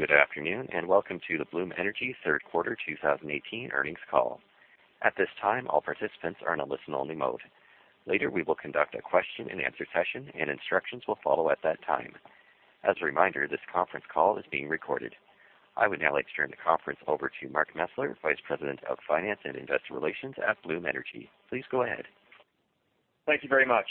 Good afternoon, and welcome to the Bloom Energy Third Quarter 2018 Earnings Call. At this time, all participants are on a listen-only mode. Later, we will conduct a question-and-answer session, and instructions will follow at that time. As a reminder, this conference call is being recorded. I would now like to turn the conference over to Mark Mesler, Vice President of Finance and Investor Relations at Bloom Energy. Please go ahead. Thank you very much.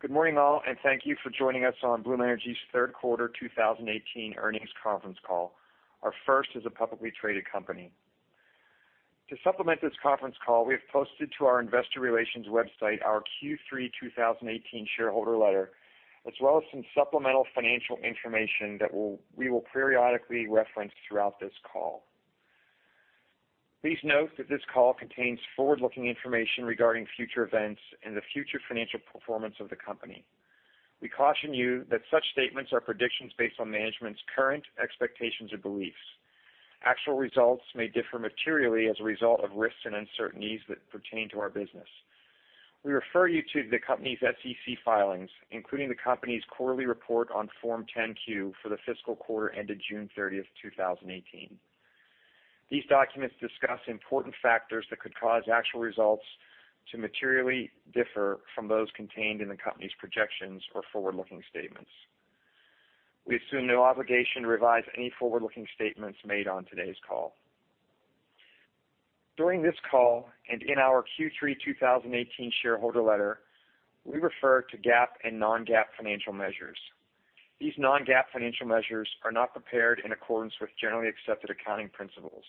Good morning, all, and thank you for joining us on Bloom Energy's third Quarter 2018 Earnings Conference Call, our first as a publicly traded company. To supplement this conference call, we have posted to our investor relations website our Q3 2018 shareholder letter, as well as some supplemental financial information that we will periodically reference throughout this call. Please note that this call contains forward-looking information regarding future events and the future financial performance of the company. We caution you that such statements are predictions based on management's current expectations or beliefs. Actual results may differ materially as a result of risks and uncertainties that pertain to our business. We refer you to the company's SEC filings, including the company's quarterly report on Form 10-Q for the fiscal quarter ended June 30th, 2018. These documents discuss important factors that could cause actual results to materially differ from those contained in the company's projections or forward-looking statements. We assume no obligation to revise any forward-looking statements made on today's call. During this call and in our Q3 2018 shareholder letter, we refer to GAAP and non-GAAP financial measures. These non-GAAP financial measures are not prepared in accordance with generally accepted accounting principles.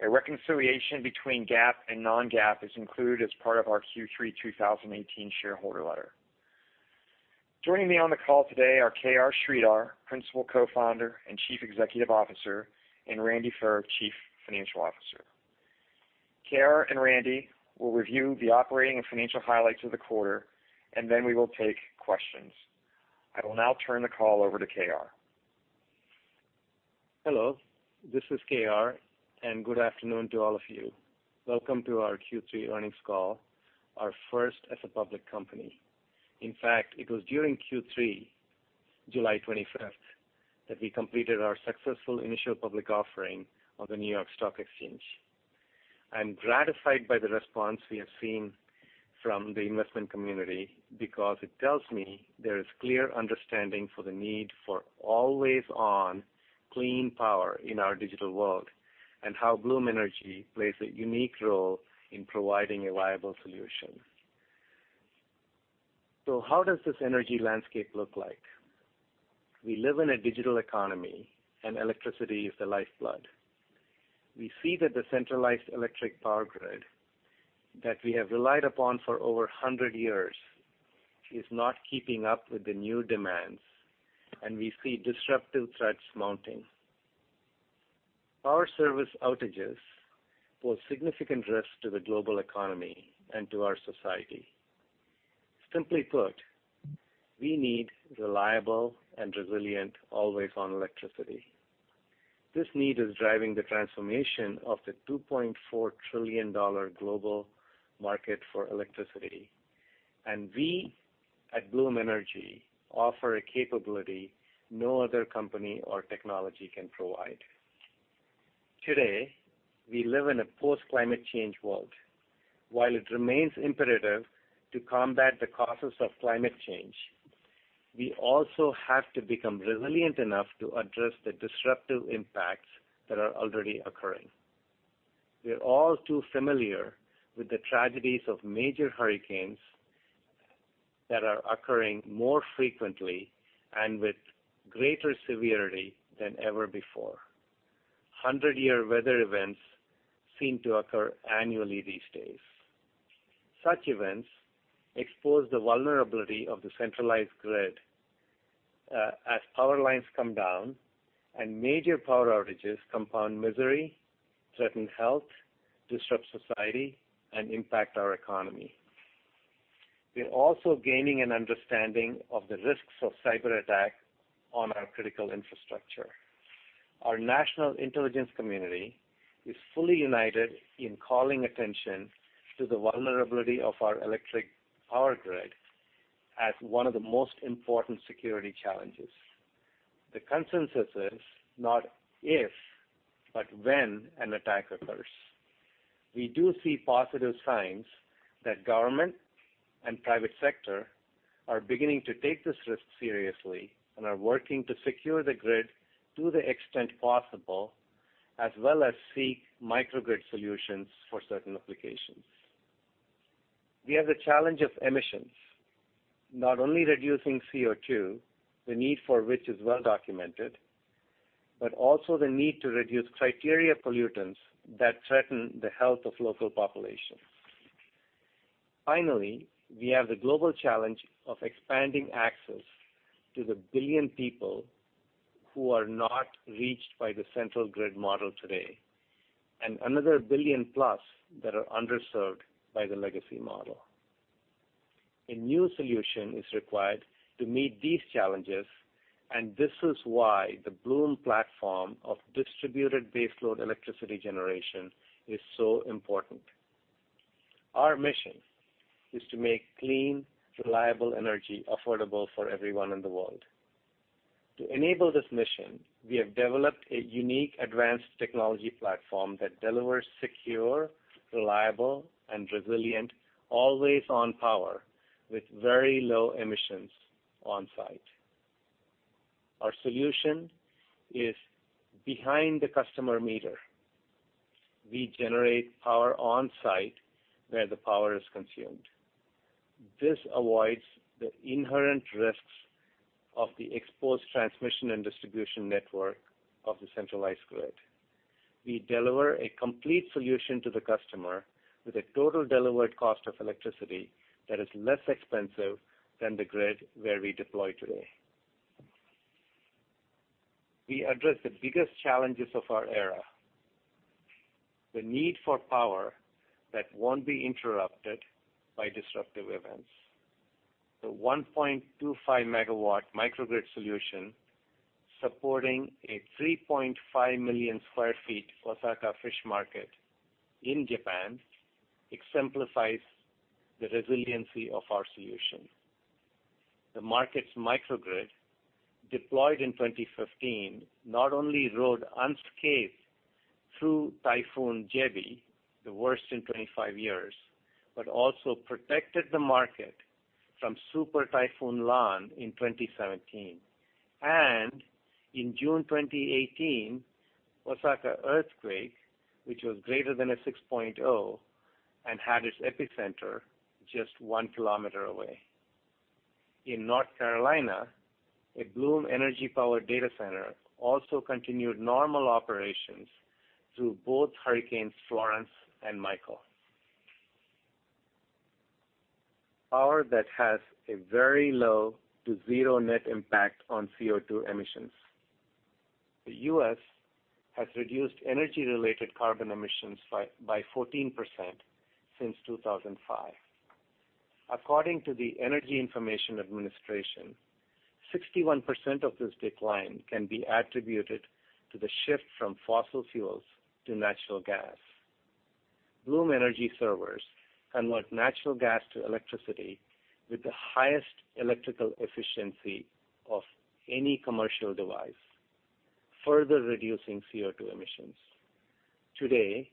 A reconciliation between GAAP and non-GAAP is included as part of our Q3 2018 shareholder letter. Joining me on the call today are KR Sridhar, Principal Co-founder and Chief Executive Officer, and Randy Furr, Chief Financial Officer. KR and Randy will review the operating and financial highlights of the quarter, and then we will take questions. I will now turn the call over to KR. Hello, this is KR, and good afternoon to all of you. Welcome to our Q3 earnings call, our first as a public company. In fact, it was during Q3, July 25th, that we completed our successful initial public offering on the New York Stock Exchange. I'm gratified by the response we have seen from the investment community because it tells me there is clear understanding for the need for always-on clean power in our digital world and how Bloom Energy plays a unique role in providing a viable solution. How does this energy landscape look like? We live in a digital economy, and electricity is the lifeblood. We see that the centralized electric power grid that we have relied upon for over 100 years is not keeping up with the new demands, and we see disruptive threats mounting. Power service outages pose significant risks to the global economy and to our society. Simply put, we need reliable and resilient always-on electricity. This need is driving the transformation of the $2.4 trillion global market for electricity, we at Bloom Energy offer a capability no other company or technology can provide. Today, we live in a post-climate change world. While it remains imperative to combat the causes of climate change, we also have to become resilient enough to address the disruptive impacts that are already occurring. We're all too familiar with the tragedies of major hurricanes that are occurring more frequently and with greater severity than ever before. 100-year weather events seem to occur annually these days. Such events expose the vulnerability of the centralized grid, as power lines come down and major power outages compound misery, threaten health, disrupt society, and impact our economy. We're also gaining an understanding of the risks of cyberattack on our critical infrastructure. Our national intelligence community is fully united in calling attention to the vulnerability of our electric power grid as one of the most important security challenges. The consensus is not if, but when an attack occurs. We do see positive signs that government and private sector are beginning to take this risk seriously and are working to secure the grid to the extent possible as well as seek microgrid solutions for certain applications. We have the challenge of emissions, not only reducing CO2, the need for which is well documented, but also the need to reduce criteria pollutants that threaten the health of local populations. Finally, we have the global challenge of expanding access to the 1 billion people who are not reached by the central grid model today, and another 1 billion plus that are underserved by the legacy model. A new solution is required to meet these challenges, and this is why the Bloom platform of distributed baseload electricity generation is so important. Our mission is to make clean, reliable energy affordable for everyone in the world. To enable this mission, we have developed a unique advanced technology platform that delivers secure, reliable, and resilient always on power with very low emissions on-site. Our solution is behind the customer meter. We generate power on-site where the power is consumed. This avoids the inherent risks of the exposed transmission and distribution network of the centralized grid. We deliver a complete solution to the customer with a total delivered cost of electricity that is less expensive than the grid where we deploy today. We address the biggest challenges of our era, the need for power that won't be interrupted by disruptive events. The 1.25 MW microgrid solution supporting a 3.5 million sq ft Osaka Fish Market in Japan exemplifies the resiliency of our solution. The market's microgrid, deployed in 2015, not only rode unscathed through Typhoon Jebi, the worst in 25 years, but also protected the market from Super Typhoon Lan in 2017. In June 2018, Osaka earthquake, which was greater than a 6.0 and had its epicenter just 1 km away. In North Carolina, a Bloom Energy powered data center also continued normal operations through both Hurricanes Florence and Michael. Power that has a very low to zero net impact on CO2 emissions. The U.S. has reduced energy-related carbon emissions by 14% since 2005. According to the Energy Information Administration, 61% of this decline can be attributed to the shift from fossil fuels to natural gas. Bloom Energy Servers convert natural gas to electricity with the highest electrical efficiency of any commercial device, further reducing CO2 emissions. Today,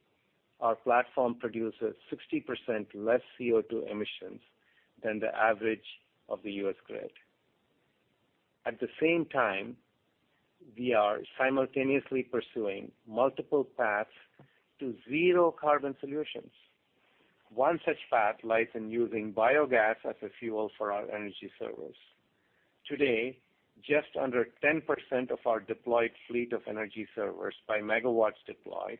our platform produces 60% less CO2 emissions than the average of the U.S. grid. At the same time, we are simultaneously pursuing multiple paths to zero carbon solutions. One such path lies in using biogas as a fuel for our Energy Servers. Today, just under 10% of our deployed fleet of Energy Servers by megawatts deployed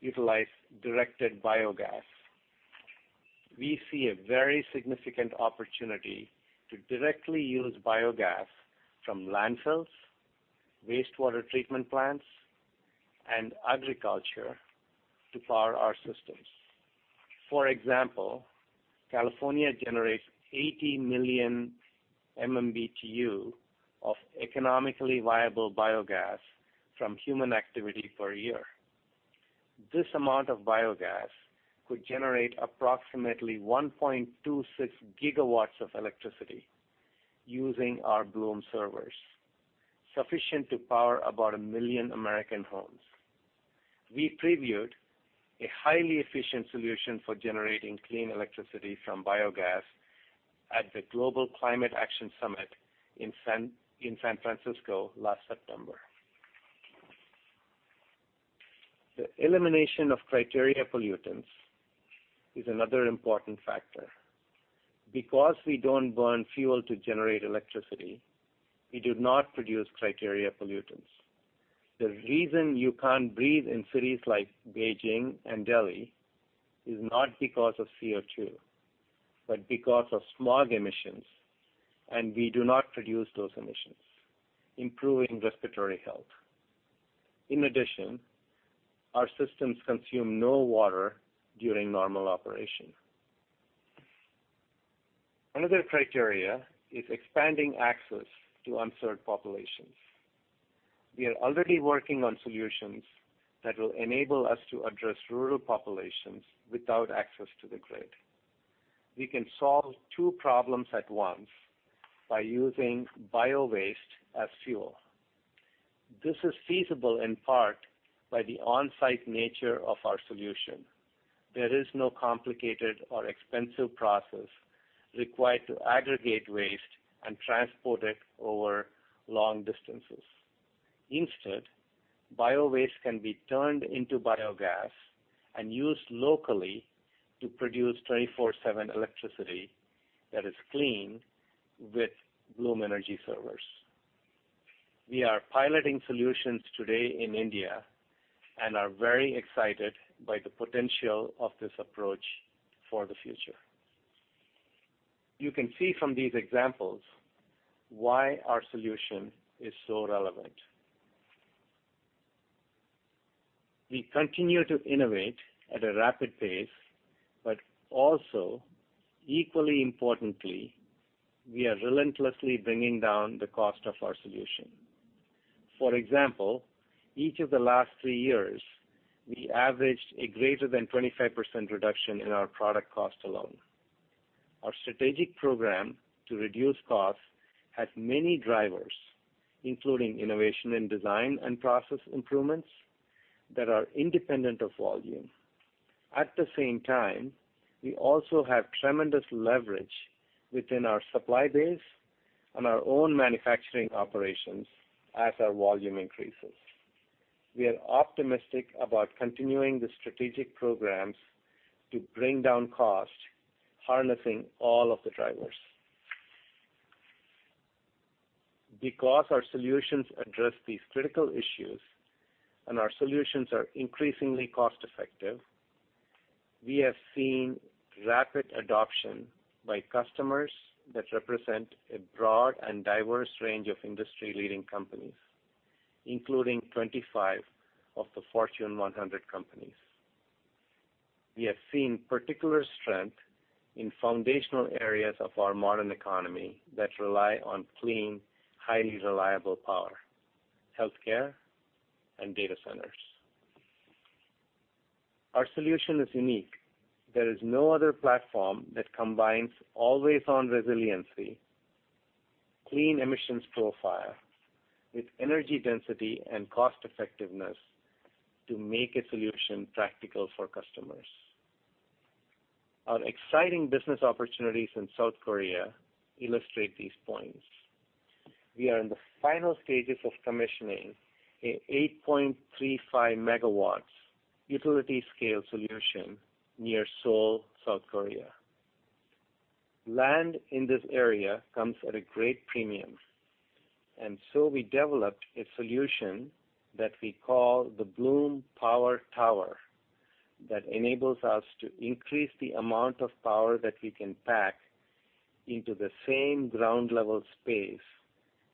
utilize directed biogas. We see a very significant opportunity to directly use biogas from landfills, wastewater treatment plants, and agriculture to power our systems. For example, California generates 80 million MMBtu of economically viable biogas from human activity per year. This amount of biogas could generate approximately 1.26 GW of electricity using our Bloom servers, sufficient to power about 1 million American homes. We previewed a highly efficient solution for generating clean electricity from biogas at the Global Climate Action Summit in San Francisco last September. The elimination of criteria pollutants is another important factor. Because we don't burn fuel to generate electricity, we do not produce criteria pollutants. The reason you can't breathe in cities like Beijing and Delhi is not because of CO2, but because of smog emissions, and we do not produce those emissions, improving respiratory health. In addition, our systems consume no water during normal operation. Another criteria is expanding access to unserved populations. We are already working on solutions that will enable us to address rural populations without access to the grid. We can solve two problems at once by using biowaste as fuel. This is feasible in part by the on-site nature of our solution. There is no complicated or expensive process required to aggregate waste and transport it over long distances. Instead, biowaste can be turned into biogas and used locally to produce 24/7 electricity that is clean with Bloom Energy Servers. We are piloting solutions today in India and are very excited by the potential of this approach for the future. You can see from these examples why our solution is so relevant. We continue to innovate at a rapid pace, but also equally importantly, we are relentlessly bringing down the cost of our solution. For example, each of the last three years, we averaged a greater than 25% reduction in our product cost alone. Our strategic program to reduce costs has many drivers, including innovation in design and process improvements that are independent of volume. At the same time, we also have tremendous leverage within our supply base and our own manufacturing operations as our volume increases. We are optimistic about continuing the strategic programs to bring down costs, harnessing all of the drivers. Because our solutions address these critical issues and our solutions are increasingly cost-effective, we have seen rapid adoption by customers that represent a broad and diverse range of industry-leading companies, including 25 of the Fortune 100 companies. We have seen particular strength in foundational areas of our modern economy that rely on clean, highly reliable power, healthcare, and data centers. Our solution is unique. There is no other platform that combines always-on resiliency, clean emissions profile with energy density and cost effectiveness to make a solution practical for customers. Our exciting business opportunities in South Korea illustrate these points. We are in the final stages of commissioning a 8.35 MW utility scale solution near Seoul, South Korea. We developed a solution that we call the Bloom Power Tower that enables us to increase the amount of power that we can pack into the same ground level space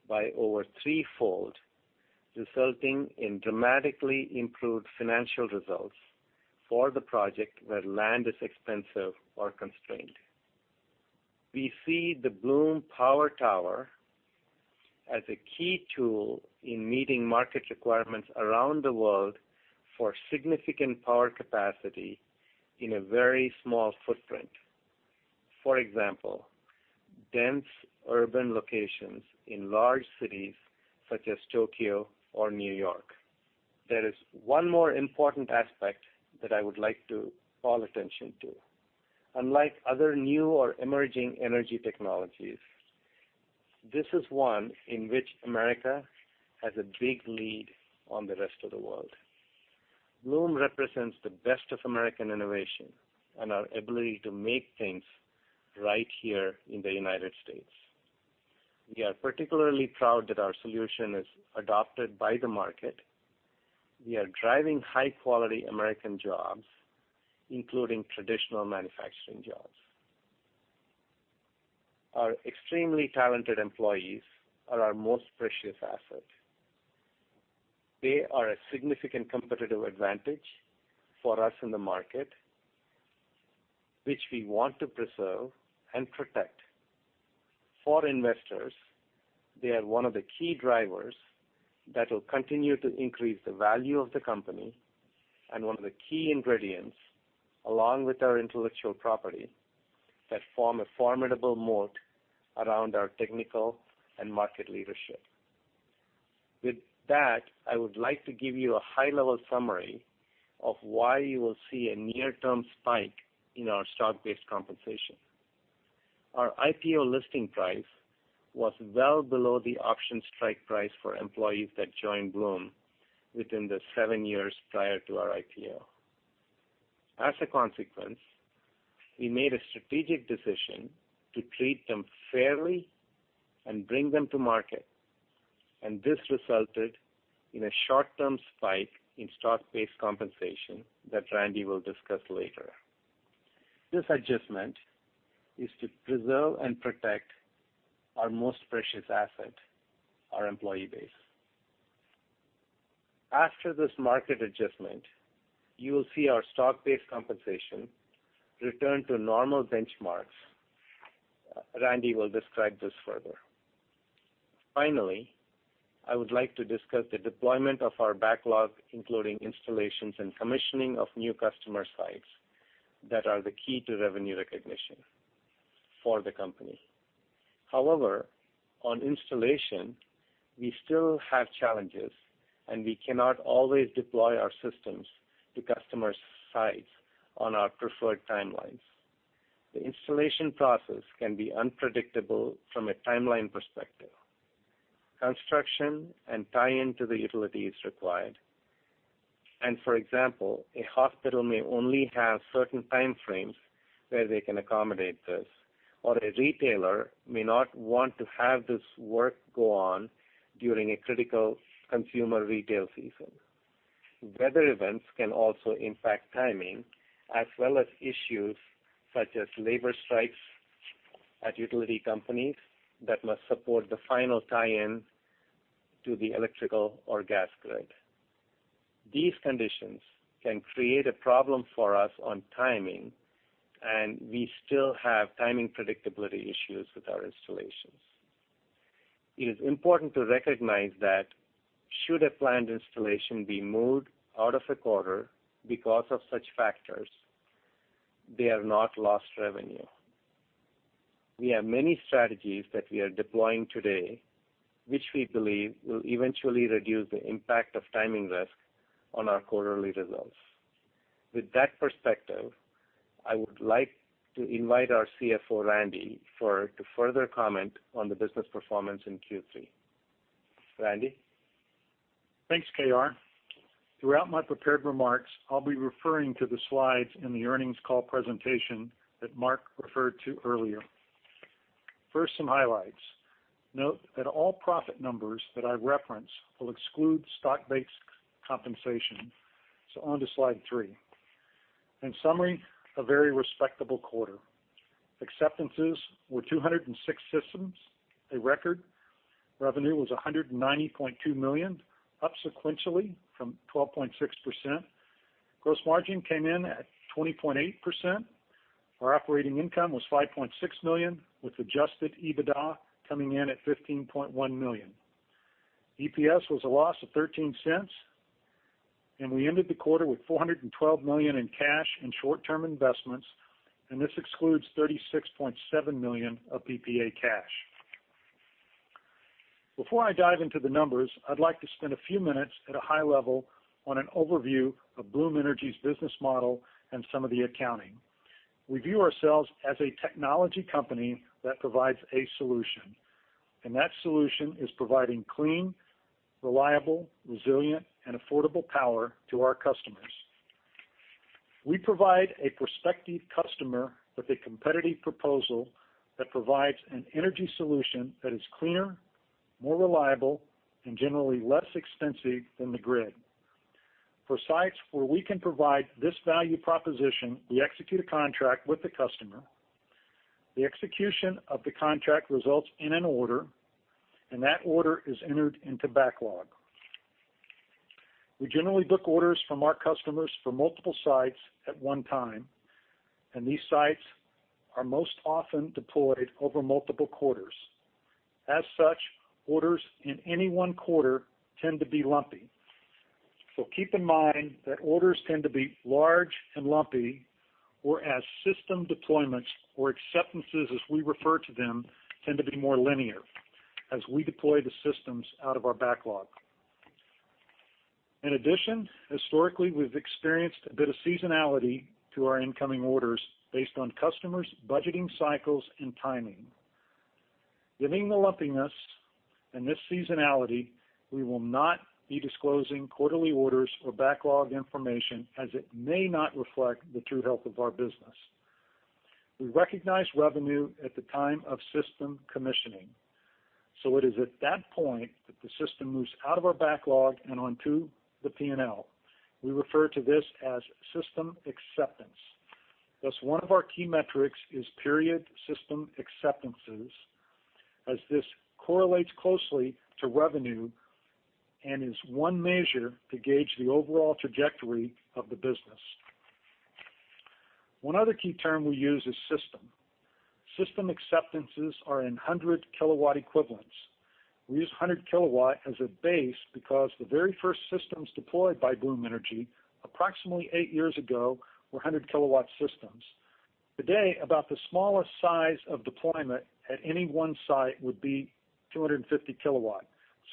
by over threefold, resulting in dramatically improved financial results for the project where land is expensive or constrained. We see the Bloom Power Tower as a key tool in meeting market requirements around the world for significant power capacity in a very small footprint. For example, dense urban locations in large cities such as Tokyo or New York. There is one more important aspect that I would like to call attention to. Unlike other new or emerging energy technologies, this is one in which America has a big lead on the rest of the world. Bloom represents the best of American innovation and our ability to make things right here in the United States. We are particularly proud that our solution is adopted by the market. We are driving high quality American jobs, including traditional manufacturing jobs. Our extremely talented employees are our most precious asset. They are a significant competitive advantage for us in the market, which we want to preserve and protect. For investors, they are one of the key drivers that will continue to increase the value of the company and one of the key ingredients, along with our intellectual property, that form a formidable moat around our technical and market leadership. With that, I would like to give you a high-level summary of why you will see a near-term spike in our stock-based compensation. Our IPO listing price was well below the option strike price for employees that joined Bloom within the seven years prior to our IPO. As a consequence, we made a strategic decision to treat them fairly and bring them to market, and this resulted in a short-term spike in stock-based compensation that Randy will discuss later. This adjustment is to preserve and protect our most precious asset, our employee base. After this market adjustment, you will see our stock-based compensation return to normal benchmarks. Randy will describe this further. Finally, I would like to discuss the deployment of our backlog, including installations and commissioning of new customer sites that are the key to revenue recognition for the company. However, on installation, we still have challenges, and we cannot always deploy our systems to customers' sites on our preferred timelines. The installation process can be unpredictable from a timeline perspective. Construction and tie-in to the utility is required. For example, a hospital may only have certain time frames where they can accommodate this, or a retailer may not want to have this work go on during a critical consumer retail season. Weather events can also impact timing, as well as issues such as labor strikes at utility companies that must support the final tie-in to the electrical or gas grid. These conditions can create a problem for us on timing, and we still have timing predictability issues with our installations. It is important to recognize that should a planned installation be moved out of a quarter because of such factors, they have not lost revenue. We have many strategies that we are deploying today, which we believe will eventually reduce the impact of timing risk on our quarterly results. With that perspective, I would like to invite our CFO, Randy Furr, to further comment on the business performance in Q3. Randy? Thanks, KR. Throughout my prepared remarks, I'll be referring to the slides in the earnings call presentation that Mark referred to earlier. First, some highlights. Note that all profit numbers that I reference will exclude stock-based compensation. Onto Slide three. In summary, a very respectable quarter. Acceptances were 206 systems, a record. Revenue was $190.2 million, up sequentially from 12.6%. Gross margin came in at 20.8%. Our operating income was $5.6 million, with adjusted EBITDA coming in at $15.1 million. EPS was a loss of $0.13, and we ended the quarter with $412 million in cash and short-term investments, and this excludes $36.7 million of PPA cash. Before I dive into the numbers, I'd like to spend a few minutes at a high level on an overview of Bloom Energy's business model and some of the accounting. We view ourselves as a technology company that provides a solution, and that solution is providing clean, reliable, resilient, and affordable power to our customers. We provide a prospective customer with a competitive proposal that provides an energy solution that is cleaner, more reliable, and generally less expensive than the grid. For sites where we can provide this value proposition, we execute a contract with the customer. The execution of the contract results in an order, and that order is entered into backlog. We generally book orders from our customers for multiple sites at one time, and these sites are most often deployed over multiple quarters. As such, orders in any one quarter tend to be lumpy. Keep in mind that orders tend to be large and lumpy, or as system deployments or acceptances, as we refer to them, tend to be more linear as we deploy the systems out of our backlog. In addition, historically, we've experienced a bit of seasonality to our incoming orders based on customers' budgeting cycles and timing. Given the lumpiness and this seasonality, we will not be disclosing quarterly orders or backlog information as it may not reflect the true health of our business. We recognize revenue at the time of system commissioning, it is at that point that the system moves out of our backlog and onto the P&L. We refer to this as system acceptance. Thus, one of our key metrics is period system acceptances, as this correlates closely to revenue and is one measure to gauge the overall trajectory of the business. One other key term we use is system. System acceptances are in 100-kW equivalents. We use 100 kW as a base because the very first systems deployed by Bloom Energy approximately eight years ago were 100-kW systems. Today, about the smallest size of deployment at any one site would be 250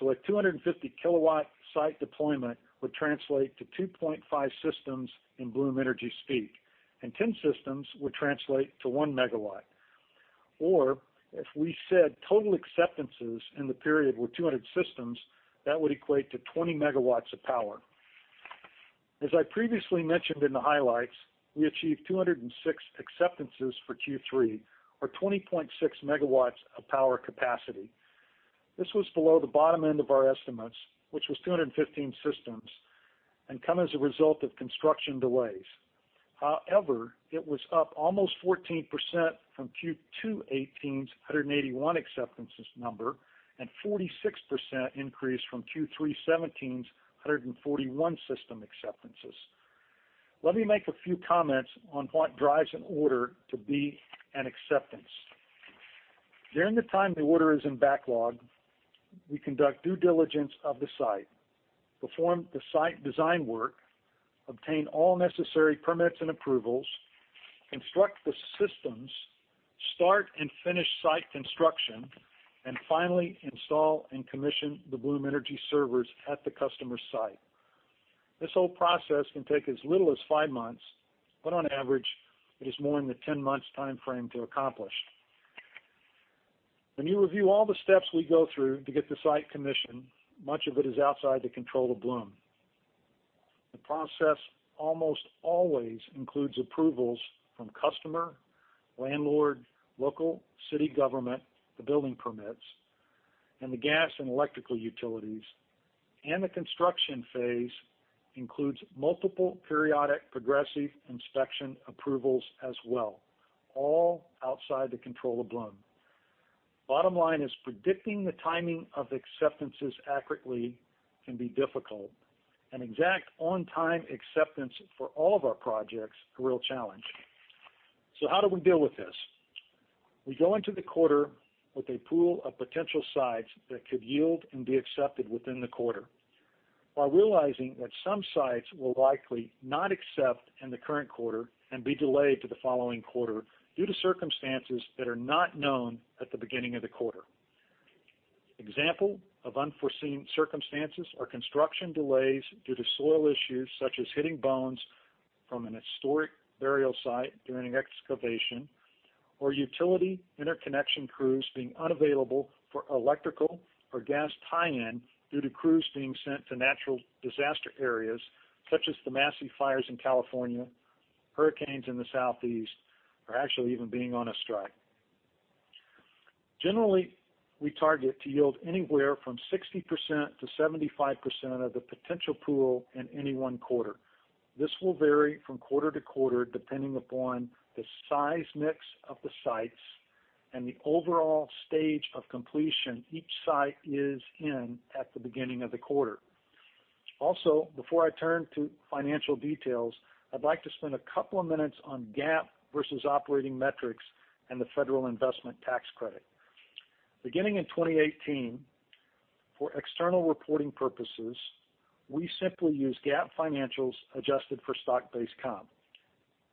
kW. A 250 kW site deployment would translate to 2.5 systems in Bloom Energy speak, and 10 systems would translate to 1 MW. If we said total acceptances in the period were 200 systems, that would equate to 20 MW of power. As I previously mentioned in the highlights, we achieved 206 acceptances for Q3 or 20.6 MW of power capacity. This was below the bottom end of our estimates, which was 215 systems, and come as a result of construction delays. However, it was up almost 14% from Q2 2018's 181 acceptances number and 46% increase from Q3 2017's 141 system acceptances. Let me make a few comments on what drives an order to be an acceptance. During the time the order is in backlog, we conduct due diligence of the site, perform the site design work, obtain all necessary permits and approvals, construct the systems, start and finish site construction, and finally install and commission the Bloom Energy Servers at the customer site. This whole process can take as little as five months, but on average it is more in the 10 months timeframe to accomplish. When you review all the steps we go through to get the site commissioned, much of it is outside the control of Bloom. The process almost always includes approvals from customer, landlord, local city government, the building permits, and the gas and electrical utilities. The construction phase includes multiple periodic progressive inspection approvals as well, all outside the control of Bloom. Bottom line is predicting the timing of acceptances accurately can be difficult, and exact on-time acceptance for all of our projects a real challenge. How do we deal with this? We go into the quarter with a pool of potential sites that could yield and be accepted within the quarter while realizing that some sites will likely not accept in the current quarter and be delayed to the following quarter due to circumstances that are not known at the beginning of the quarter. Example of unforeseen circumstances are construction delays due to soil issues such as hitting bones from an historic burial site during excavation or utility interconnection crews being unavailable for electrical or gas tie-in due to crews being sent to natural disaster areas such as the massive fires in California, hurricanes in the Southeast, or actually even being on a strike. Generally, we target to yield anywhere from 60%-75% of the potential pool in any one quarter. This will vary from quarter to quarter, depending upon the size mix of the sites and the overall stage of completion each site is in at the beginning of the quarter. Before I turn to financial details, I'd like to spend a couple of minutes on GAAP versus operating metrics and the federal Investment Tax Credit. Beginning in 2018, for external reporting purposes, we simply use GAAP financials adjusted for stock-based comp.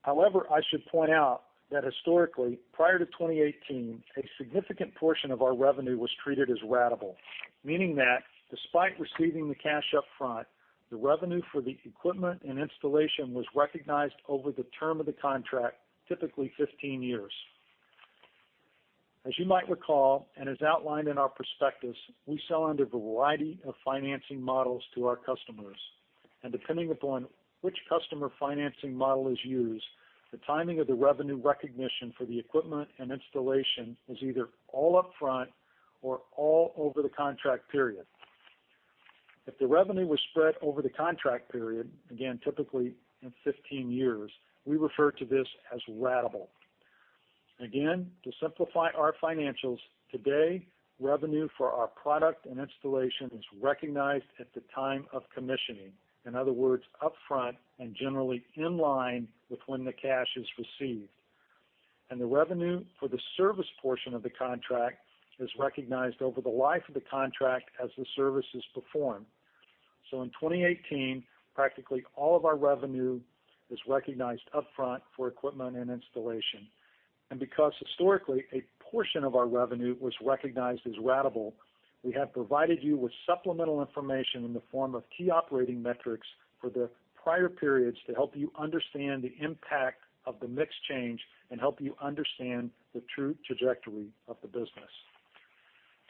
I should point out that historically, prior to 2018, a significant portion of our revenue was treated as ratable. Meaning that despite receiving the cash up front, the revenue for the equipment and installation was recognized over the term of the contract, typically 15 years. As you might recall, and as outlined in our prospectus, we sell under a variety of financing models to our customers, and depending upon which customer financing model is used, the timing of the revenue recognition for the equipment and installation is either all upfront or all over the contract period. If the revenue was spread over the contract period, again, typically in 15 years, we refer to this as ratable. To simplify our financials, today, revenue for our product and installation is recognized at the time of commissioning. In other words, upfront and generally in line with when the cash is received. The revenue for the service portion of the contract is recognized over the life of the contract as the service is performed. In 2018, practically all of our revenue is recognized upfront for equipment and installation. Because historically, a portion of our revenue was recognized as ratable, we have provided you with supplemental information in the form of key operating metrics for the prior periods to help you understand the impact of the mix change and help you understand the true trajectory of the business.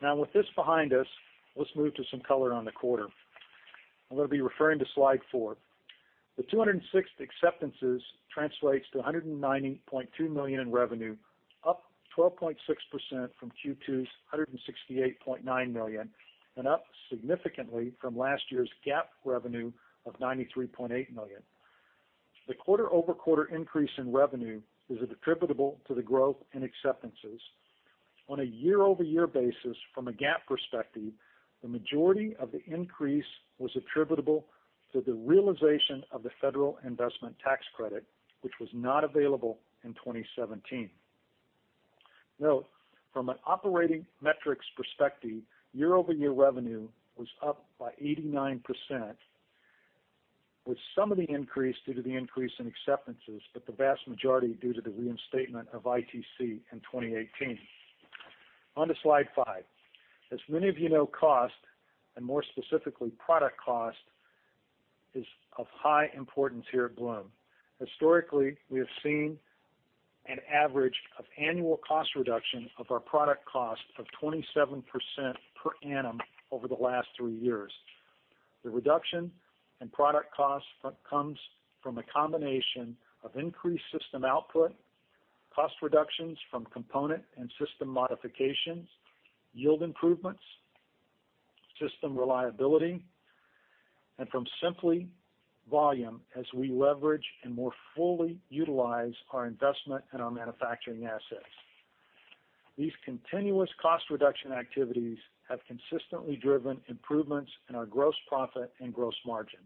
Now, with this behind us, let's move to some color on the quarter. I'm gonna be referring to slide four. The 260 acceptances translates to $190.2 million in revenue, up 12.6% from Q2's $168.9 million, and up significantly from last year's GAAP revenue of $93.8 million. The quarter-over-quarter increase in revenue is attributable to the growth in acceptances. On a year-over-year basis, from a GAAP perspective, the majority of the increase was attributable to the realization of the federal Investment Tax Credit, which was not available in 2017. Note, from an operating metrics perspective, year-over-year revenue was up by 89%, with some of the increase due to the increase in acceptances, but the vast majority due to the reinstatement of ITC in 2018. On to slide five. As many of you know, cost, and more specifically, product cost, is of high importance here at Bloom. Historically, we have seen an average of annual cost reduction of our product cost of 27% per annum over the last three years. The reduction in product cost comes from a combination of increased system output, cost reductions from component and system modifications, yield improvements, system reliability, and from simply volume as we leverage and more fully utilize our investment in our manufacturing assets. These continuous cost reduction activities have consistently driven improvements in our gross profit and gross margin.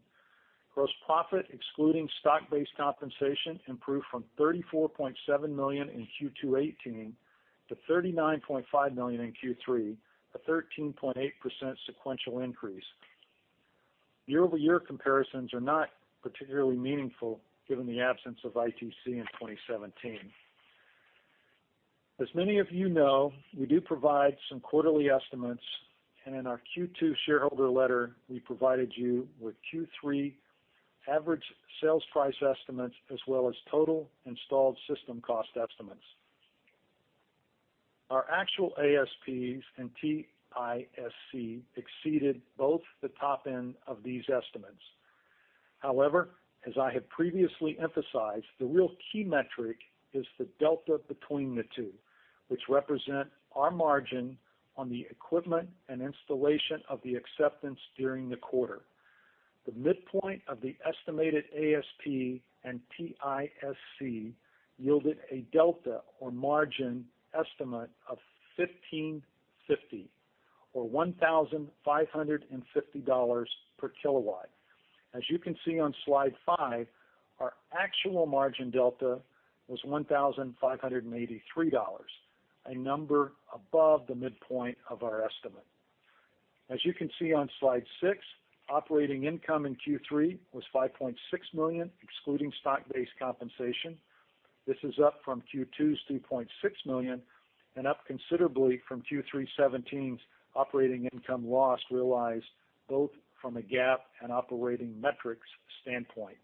Gross profit, excluding stock-based compensation, improved from $34.7 million in Q2 2018 to $39.5 million in Q3, a 13.8% sequential increase. Year-over-year comparisons are not particularly meaningful given the absence of ITC in 2017. As many of you know, we do provide some quarterly estimates, and in our Q2 shareholder letter, we provided you with Q3 average sales price estimates as well as total installed system cost estimates. Our actual ASPs and TISC exceeded both the top end of these estimates. However, as I have previously emphasized, the real key metric is the delta between the two, which represent our margin on the equipment and installation of the acceptance during the quarter. The midpoint of the estimated ASP and TISC yielded a delta or margin estimate of $1,550 or $1,550 per kilowatt. As you can see on slide five, our actual margin delta was $1,583, a number above the midpoint of our estimate. As you can see on slide six, operating income in Q3 was $5.6 million, excluding stock-based compensation. This is up from Q2's $3.6 million and up considerably from Q3 2017's operating income loss realized both from a GAAP and operating metrics standpoint.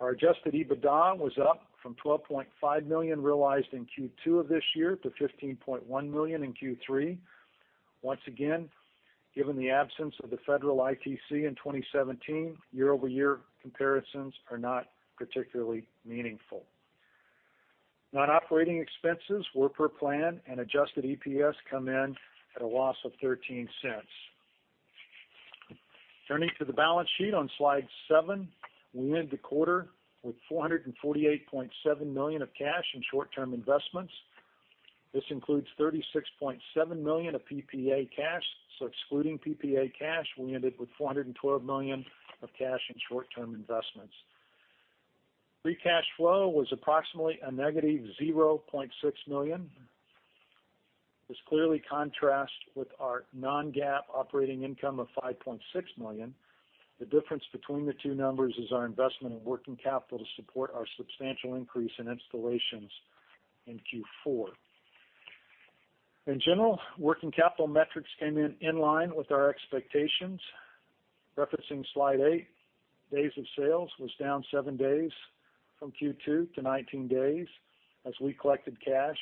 Our adjusted EBITDA was up from $12.5 million realized in Q2 of this year to $15.1 million in Q3. Once again, given the absence of the federal ITC in 2017, year-over-year comparisons are not particularly meaningful. Non-operating expenses were per plan, and adjusted EPS come in at a loss of $0.13. Turning to the balance sheet on slide seven, we ended the quarter with $448.7 million of cash and short-term investments. This includes $36.7 million of PPA cash, so excluding PPA cash, we ended with $412 million of cash and short-term investments. Free cash flow was approximately a -$0.6 million. This clearly contrasts with our non-GAAP operating income of $5.6 million. The difference between the two numbers is our investment in working capital to support our substantial increase in installations in Q4. In general, working capital metrics came in in line with our expectations. Referencing slide eight, days of sales was down seven days from Q2 to 19 days as we collected cash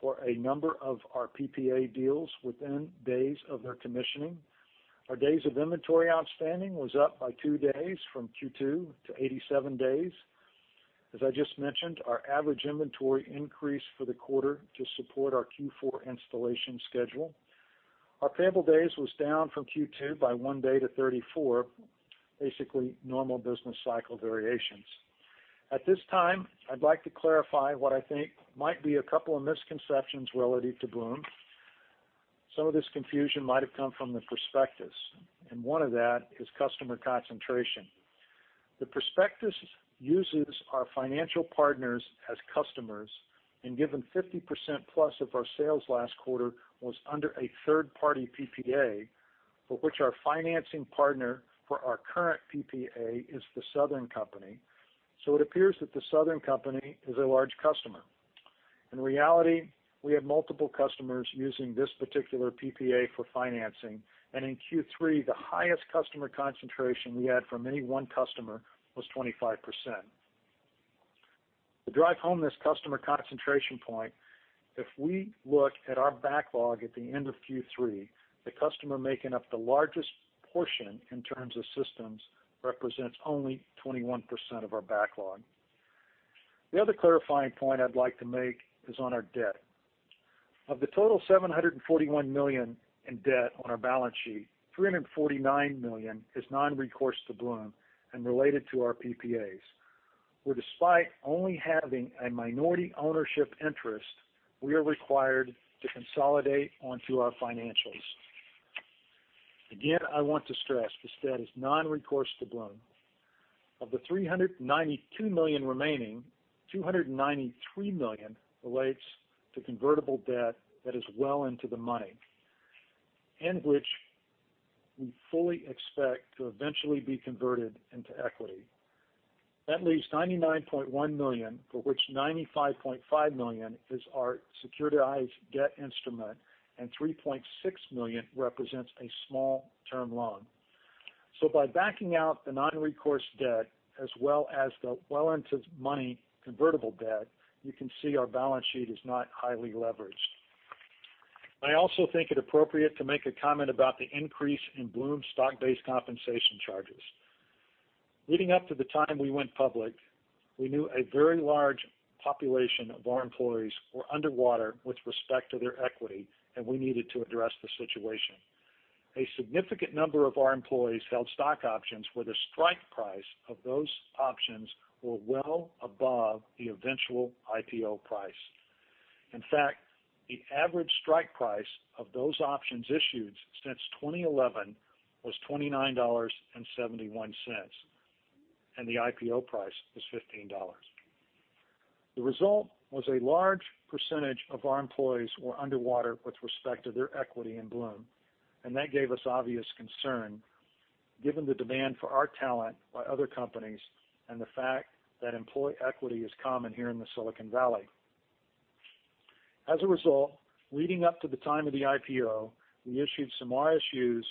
for a number of our PPA deals within days of their commissioning. Our days of inventory outstanding was up by two days from Q2 to 87 days. As I just mentioned, our average inventory increased for the quarter to support our Q4 installation schedule. Our payable days was down from Q2 by one day to 34, basically normal business cycle variations. At this time, I'd like to clarify what I think might be a couple of misconceptions related to Bloom. Some of this confusion might have come from the prospectus, and one of that is customer concentration. The prospectus uses our financial partners as customers. Given 50%+ of our sales last quarter was under a third-party PPA, for which our financing partner for our current PPA is the Southern Company. It appears that the Southern Company is a large customer. In reality, we have multiple customers using this particular PPA for financing. In Q3, the highest customer concentration we had from any one customer was 25%. To drive home this customer concentration point, if we look at our backlog at the end of Q3, the customer making up the largest portion in terms of systems represents only 21% of our backlog. The other clarifying point I'd like to make is on our debt. Of the total $741 million in debt on our balance sheet, $349 million is non-recourse to Bloom and related to our PPAs, where despite only having a minority ownership interest, we are required to consolidate onto our financials. Again, I want to stress, this debt is non-recourse to Bloom. Of the $392 million remaining, $293 million relates to convertible debt that is well into the money, and which we fully expect to eventually be converted into equity. That leaves $99.1 million, for which $95.5 million is our securitized debt instrument, and $3.6 million represents a small-term loan. By backing out the non-recourse debt as well as the well into money convertible debt, you can see our balance sheet is not highly leveraged. I also think it appropriate to make a comment about the increase in Bloom's stock-based compensation charges. Leading up to the time we went public, we knew a very large population of our employees were underwater with respect to their equity, and we needed to address the situation. A significant number of our employees held stock options where the strike price of those options were well above the eventual IPO price. In fact, the average strike price of those options issued since 2011 was $29.71, and the IPO price was $15. The result was a large percentage of our employees were underwater with respect to their equity in Bloom, and that gave us obvious concern given the demand for our talent by other companies and the fact that employee equity is common here in the Silicon Valley. As a result, leading up to the time of the IPO, we issued some RSUs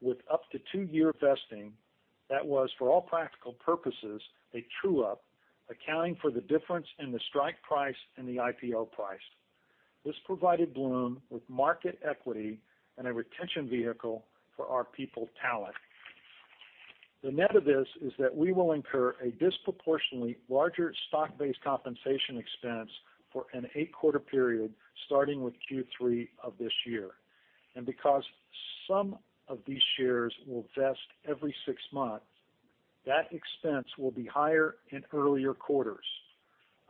with up to two-year vesting that was, for all practical purposes, a true-up, accounting for the difference in the strike price and the IPO price. This provided Bloom with market equity and a retention vehicle for our people talent. The net of this is that we will incur a disproportionately larger stock-based compensation expense for an eight-quarter period starting with Q3 of this year. Because some of these shares will vest every six months, that expense will be higher in earlier quarters.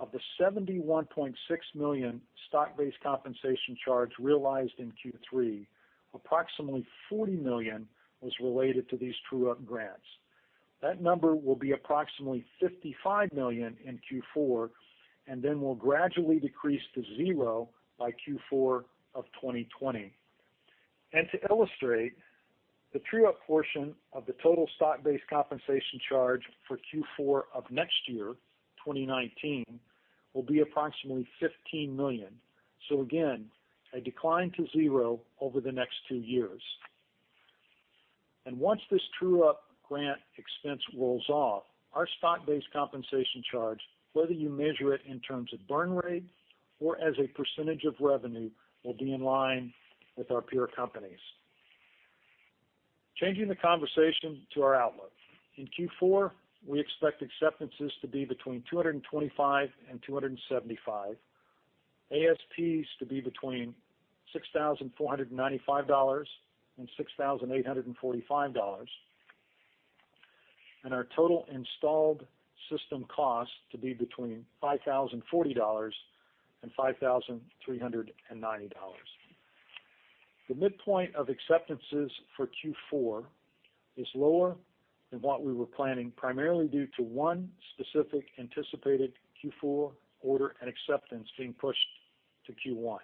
Of the $71.6 million stock-based compensation charge realized in Q3, approximately $40 million was related to these true-up grants. That number will be approximately $55 million in Q4, and then will gradually decrease to zero by Q4 of 2020. To illustrate, the true-up portion of the total stock-based compensation charge for Q4 of next year, 2019, will be approximately $15 million. Again, a decline to zero over the next two years. Once this true-up grant expense rolls off, our stock-based compensation charge, whether you measure it in terms of burn rate or as a percentage of revenue, will be in line with our peer companies. Changing the conversation to our outlook. In Q4, we expect acceptances to be between 225 and 275, ASPs to be between $6,495 and $6,845, and our total installed system cost to be between $5,040 and $5,390. The midpoint of acceptances for Q4 is lower than what we were planning, primarily due to one specific anticipated Q4 order and acceptance being pushed to Q1.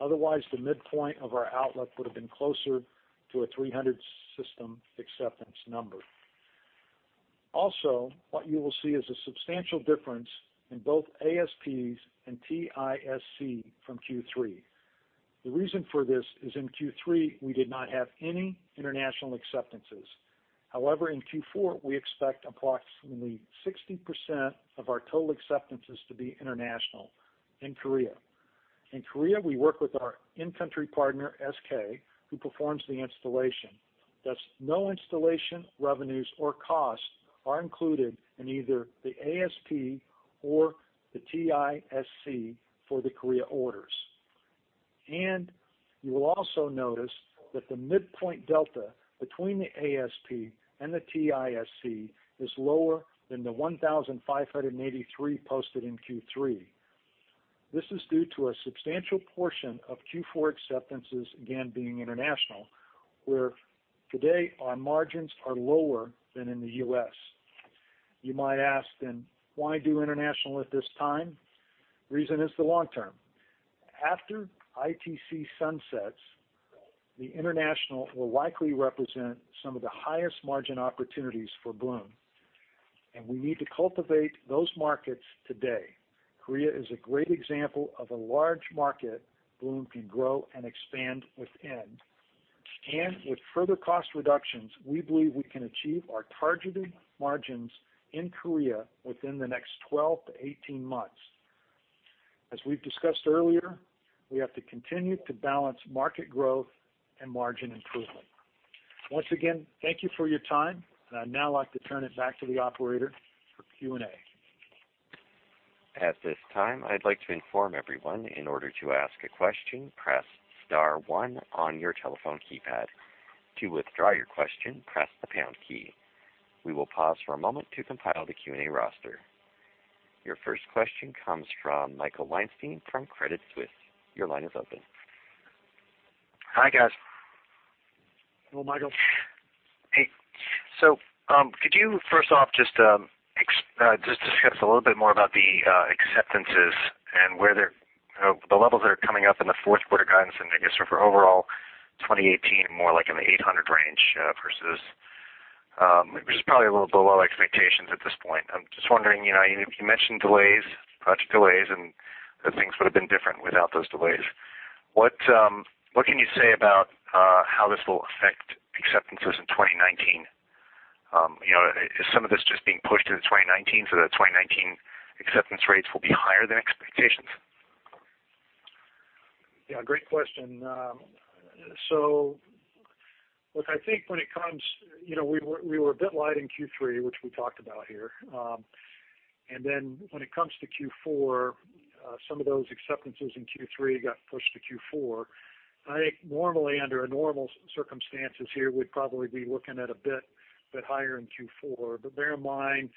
Otherwise, the midpoint of our outlook would have been closer to a 300 system acceptance number. Also, what you will see is a substantial difference in both ASPs and TISC from Q3. The reason for this is in Q3, we did not have any international acceptances. However, in Q4, we expect approximately 60% of our total acceptances to be international in Korea. In Korea, we work with our in-country partner, SK, who performs the installation. Thus, no installation revenues or costs are included in either the ASP or the TISC for the Korea orders. You will also notice that the midpoint delta between the ASP and the TISC is lower than the $1,583 posted in Q3. This is due to a substantial portion of Q4 acceptances, again, being international, where today our margins are lower than in the U.S. You might ask then, why do international at this time? Reason is the long term. After ITC sunsets, the international will likely represent some of the highest margin opportunities for Bloom, and we need to cultivate those markets today. Korea is a great example of a large market Bloom can grow and expand within. With further cost reductions, we believe we can achieve our targeted margins in Korea within the next 12 to 18 months. As we've discussed earlier, we have to continue to balance market growth and margin improvement. Once again, thank you for your time. I'd now like to turn it back to the operator for Q&A. At this time, I'd like to inform everyone in order to ask a question, press star one on your telephone keypad. To withdraw your question, press the pound key. We will pause for a moment to compile the Q&A roster. Your first question comes from Michael Weinstein from Credit Suisse. Your line is open. Hi, guys. Hello, Michael. Hey. Could you first off just discuss a little bit more about the acceptances and where they're, you know, the levels that are coming up in the fourth quarter guidance, and I guess for overall 2018 more like in the 800 range, versus which is probably a little below expectations at this point. I'm just wondering, you know, you mentioned delays, project delays, and that things would have been different without those delays. What can you say about how this will affect acceptances in 2019? You know, is some of this just being pushed into 2019 so that 2019 acceptance rates will be higher than expectations? Yeah, great question. Look, I think when it comes, you know, we were a bit light in Q3, which we talked about here. When it comes to Q4, some of those acceptances in Q3 got pushed to Q4. I think normally under a normal circumstances here, we'd probably be looking at a bit higher in Q4. Bear in mind,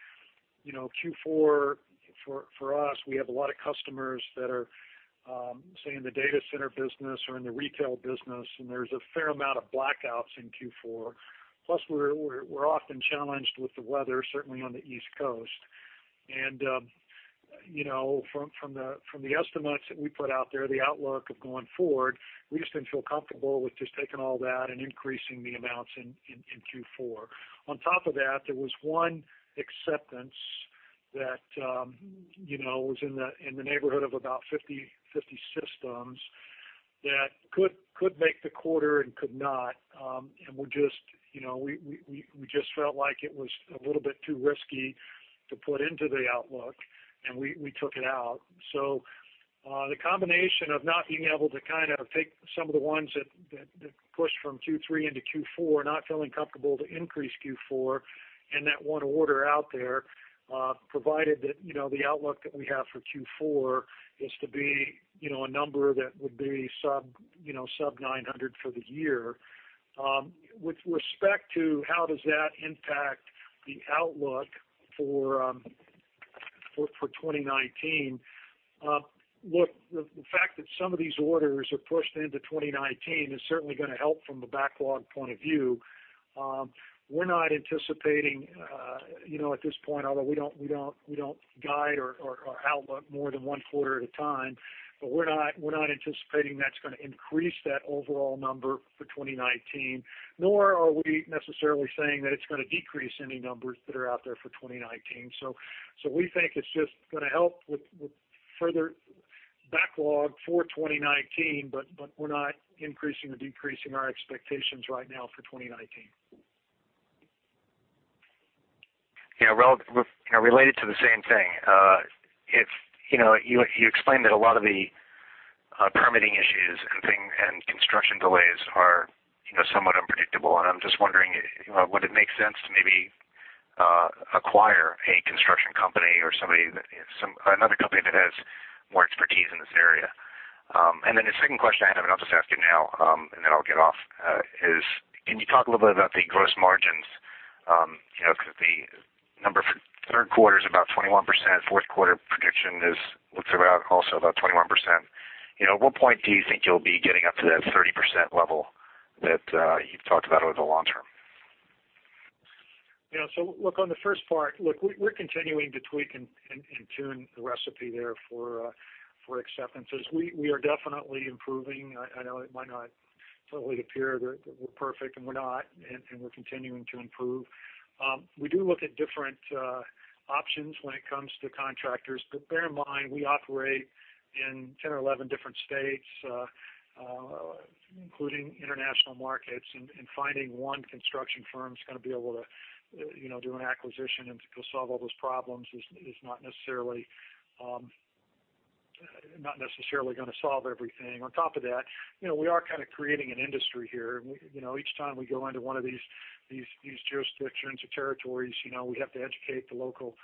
you know, Q4 for us, we have a lot of customers that are, say, in the data center business or in the retail business, and there's a fair amount of blackouts in Q4. Plus, we're often challenged with the weather, certainly on the East Coast. You know, from the estimates that we put out there, the outlook of going forward, we just didn't feel comfortable with just taking all that and increasing the amounts in, in Q4. On top of that, there was one acceptance that, you know, was in the neighborhood of about 50 systems that could make the quarter and could not. We just, you know, we just felt like it was a little bit too risky to put into the outlook, and we took it out. The combination of not being able to kind of take some of the ones that pushed from Q3 into Q4, not feeling comfortable to increase Q4, and that one order out there, provided that, you know, the outlook that we have for Q4 is to be, you know, a number that would be sub, you know, sub $900 for the year. With respect to how does that impact the outlook for 2019, look, the fact that some of these orders are pushed into 2019 is certainly gonna help from the backlog point of view. We're not anticipating, you know, at this point, although we don't guide or outlook more than one quarter at a time, but we're not anticipating that's gonna increase that overall number for 2019, nor are we necessarily saying that it's gonna decrease any numbers that are out there for 2019. We think it's just gonna help with further backlog for 2019, but we're not increasing or decreasing our expectations right now for 2019. Yeah. You know, related to the same thing, if, you know, you explained that a lot of the permitting issues and construction delays are, you know, somewhat unpredictable, and I'm just wondering, you know, would it make sense to maybe acquire a construction company or somebody that another company that has more expertise in this area? The second question I have, and I'll just ask you now, and then I'll get off, is, can you talk a little bit about the gross margins? You know, 'cause the number for third quarter is about 21%. Fourth quarter prediction is, looks about also about 21%. You know, at what point do you think you'll be getting up to that 30% level that you've talked about over the long term? Yeah. Look, on the first part, look, we're continuing to tweak and tune the recipe there for acceptances. We are definitely improving. I know it might not totally appear that we're perfect, and we're not, and we're continuing to improve. We do look at different options when it comes to contractors, but bear in mind, we operate in 10 or 11 different states, including international markets. Finding one construction firm that's gonna be able to, you know, do an acquisition and to go solve all those problems is not necessarily, not necessarily gonna solve everything. On top of that, you know, we are kinda creating an industry here. We, you know, each time we go into one of these jurisdictions or territories, you know, we have to educate the local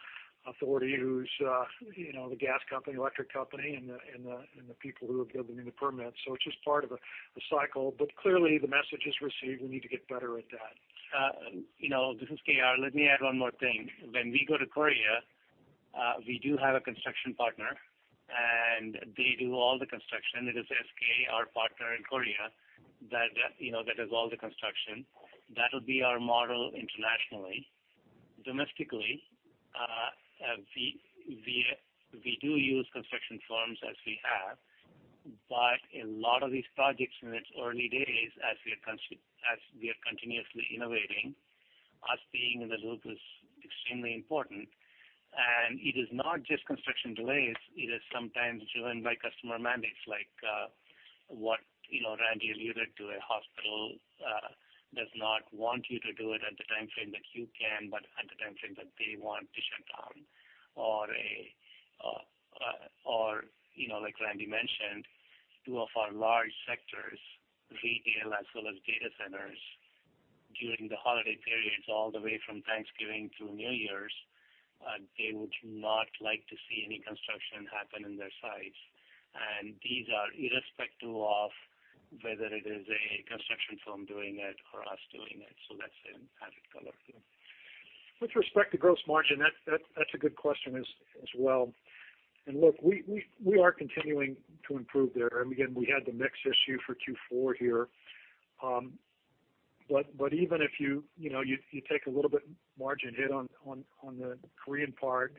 authority who's, you know, the gas company, electric company, and the people who are giving me the permits. It's just part of a cycle. Clearly, the message is received. We need to get better at that. You know, this is KR. Let me add one more thing. When we go to Korea, we do have a construction partner, and they do all the construction. It is SK, our partner in Korea that does all the construction. That'll be our model internationally. Domestically, we do use construction firms as we have, but a lot of these projects in its early days as we are continuously innovating, us being in the loop is extremely important. It is not just construction delays, it is sometimes driven by customer mandates like what Randy alluded to. A hospital does not want you to do it at the timeframe that you can, but at the timeframe that they want to shut down. Or, you know, like Randy mentioned, two of our large sectors, retail as well as data centers, during the holiday periods, all the way from Thanksgiving through New Year's, they would not like to see any construction happen in their sites. These are irrespective of whether it is a construction firm doing it or us doing it. That's an added color too. With respect to gross margin, that's a good question as well. Look, we are continuing to improve there. Again, we had the mix issue for Q4 here. Even if you know, you take a little bit margin hit on the Korean part,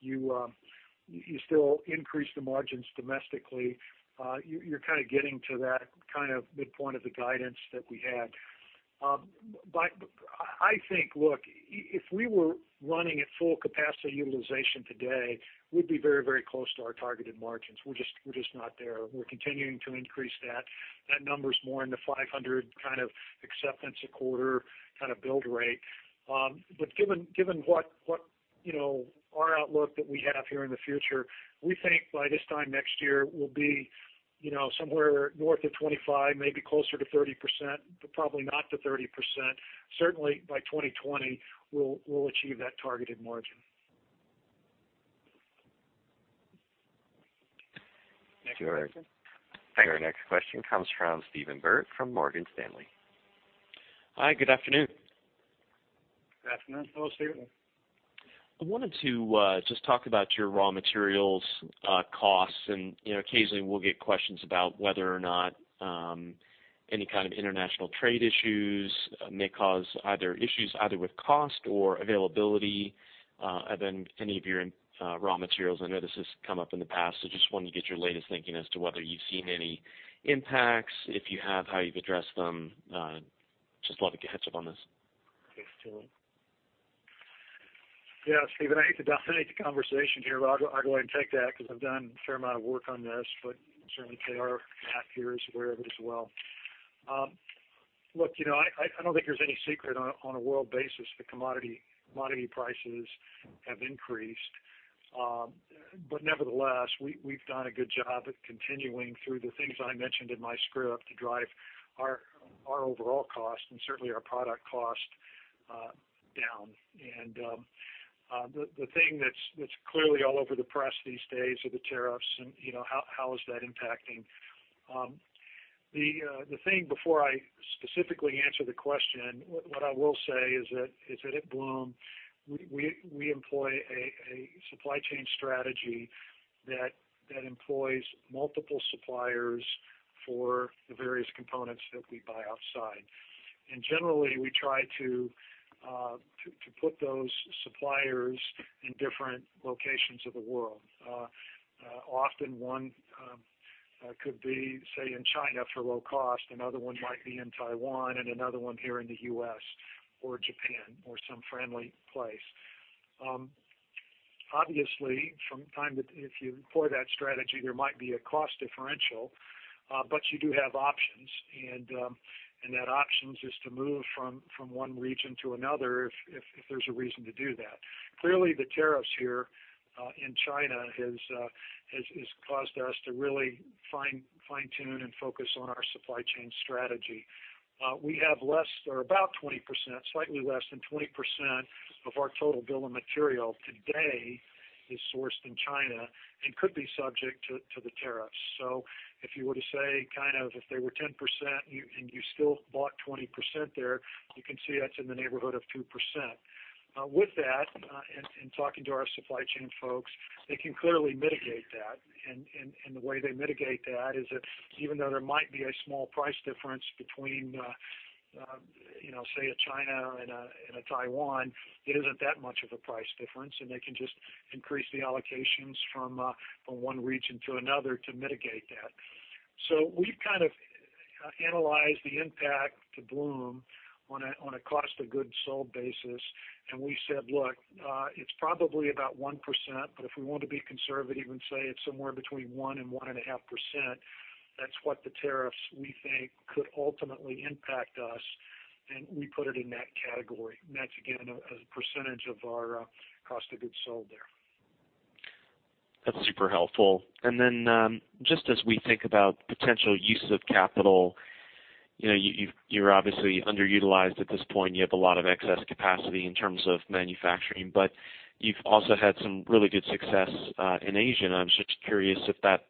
you still increase the margins domestically. You're kinda getting to that kind of midpoint of the guidance that we had. I think, look, if we were running at full capacity utilization today, we'd be very close to our targeted margins. We're just not there. We're continuing to increase that. That number's more in the 500 kind of acceptance a quarter kind of build rate. Given what, you know, our outlook that we have here in the future, we think by this time next year we'll be, you know, somewhere north of 25%, maybe closer to 30%, but probably not to 30%. Certainly, by 2020 we'll achieve that targeted margin. Thank you, Randy. Thanks. Our next question comes from Stephen Byrd from Morgan Stanley. Hi. Good afternoon. Good afternoon. Hello, Stephen. I wanted to just talk about your raw materials costs. You know, occasionally we'll get questions about whether or not any kind of international trade issues may cause either issues either with cost or availability of any of your raw materials. I know this has come up in the past, so just wanted to get your latest thinking as to whether you've seen any impacts. If you have, how you've addressed them. Just love to get a heads up on this. Thanks, Stephen. Yeah, Stephen, I hate to dominate the conversation here, but I'll go ahead and take that because I've done a fair amount of work on this. Certainly KR, Matt here is aware of it as well. Look, you know, I don't think there's any secret on a, on a world basis, the commodity prices have increased. Nevertheless, we've done a good job at continuing through the things I mentioned in my script to drive our overall cost and certainly our product cost down. The thing that's clearly all over the press these days are the tariffs and, you know, how is that impacting. The thing before I specifically answer the question, what I will say is that at Bloom, we employ a supply chain strategy that employs multiple suppliers for the various components that we buy outside. Generally, we try to put those suppliers in different locations of the world. Often one could be, say, in China for low cost, another one might be in Taiwan and another one here in the U.S. or Japan or some friendly place. Obviously, if you employ that strategy, there might be a cost differential, but you do have options, and that option is just to move from one region to another if there's a reason to do that. Clearly, the tariffs here in China has caused us to really fine-tune and focus on our supply chain strategy. We have less or about 20%, slightly less than 20% of our total bill of material today is sourced in China and could be subject to the tariffs. If you were to say kind of if they were 10% and you, and you still bought 20% there, you can see that's in the neighborhood of 2%. With that, in talking to our supply chain folks, they can clearly mitigate that. The way they mitigate that is that even though there might be a small price difference between, you know, say, a China and a Taiwan, it isn't that much of a price difference, and they can just increase the allocations from one region to another to mitigate that. We've kind of analyzed the impact to Bloom on a cost of goods sold basis, and we said, look, it's probably about 1%, but if we want to be conservative and say it's somewhere between 1% and 1.5%, that's what the tariffs we think could ultimately impact us, and we put it in that category. That's again, a percentage of our cost of goods sold there. That's super helpful. Just as we think about potential use of capital, you know, you're obviously underutilized at this point. You have a lot of excess capacity in terms of manufacturing, but you've also had some really good success in Asia. I'm just curious if that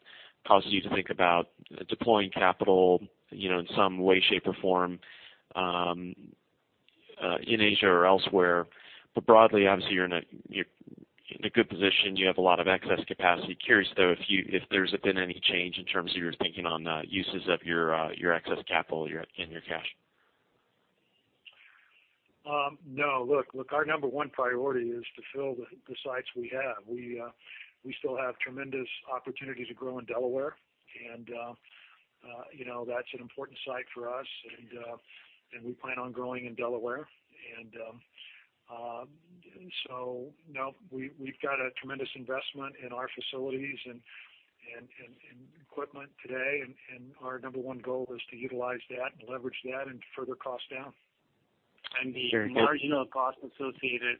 causes you to think about deploying capital, you know, in some way, shape, or form in Asia or elsewhere. Broadly, obviously, you're in a good position. You have a lot of excess capacity. Curious, though, if there's been any change in terms of your thinking on the uses of your excess capital and your cash. No. Look, our number one priority is to fill the sites we have. We still have tremendous opportunity to grow in Delaware, and you know, that's an important site for us. We plan on growing in Delaware. No, we've got a tremendous investment in our facilities and equipment today, and our number one goal is to utilize that and leverage that and further cost down. Sure. The marginal cost associated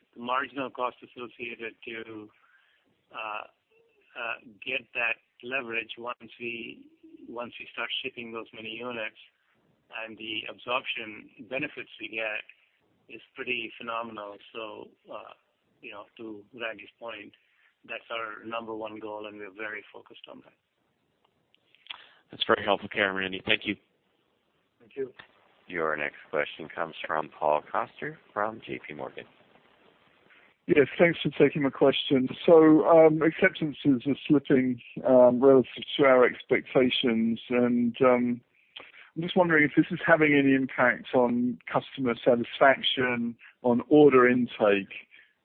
to get that leverage once we start shipping those many units and the absorption benefits we get is pretty phenomenal. You know, to Randy's point, that's our number one goal, and we're very focused on that. That's very helpful, KR, Randy Furr, thank you. Thank you. Your next question comes from Paul Coster from JPMorgan. Yes, thanks for taking my question. Acceptances are slipping relative to our expectations. I'm just wondering if this is having any impact on customer satisfaction, on order intake.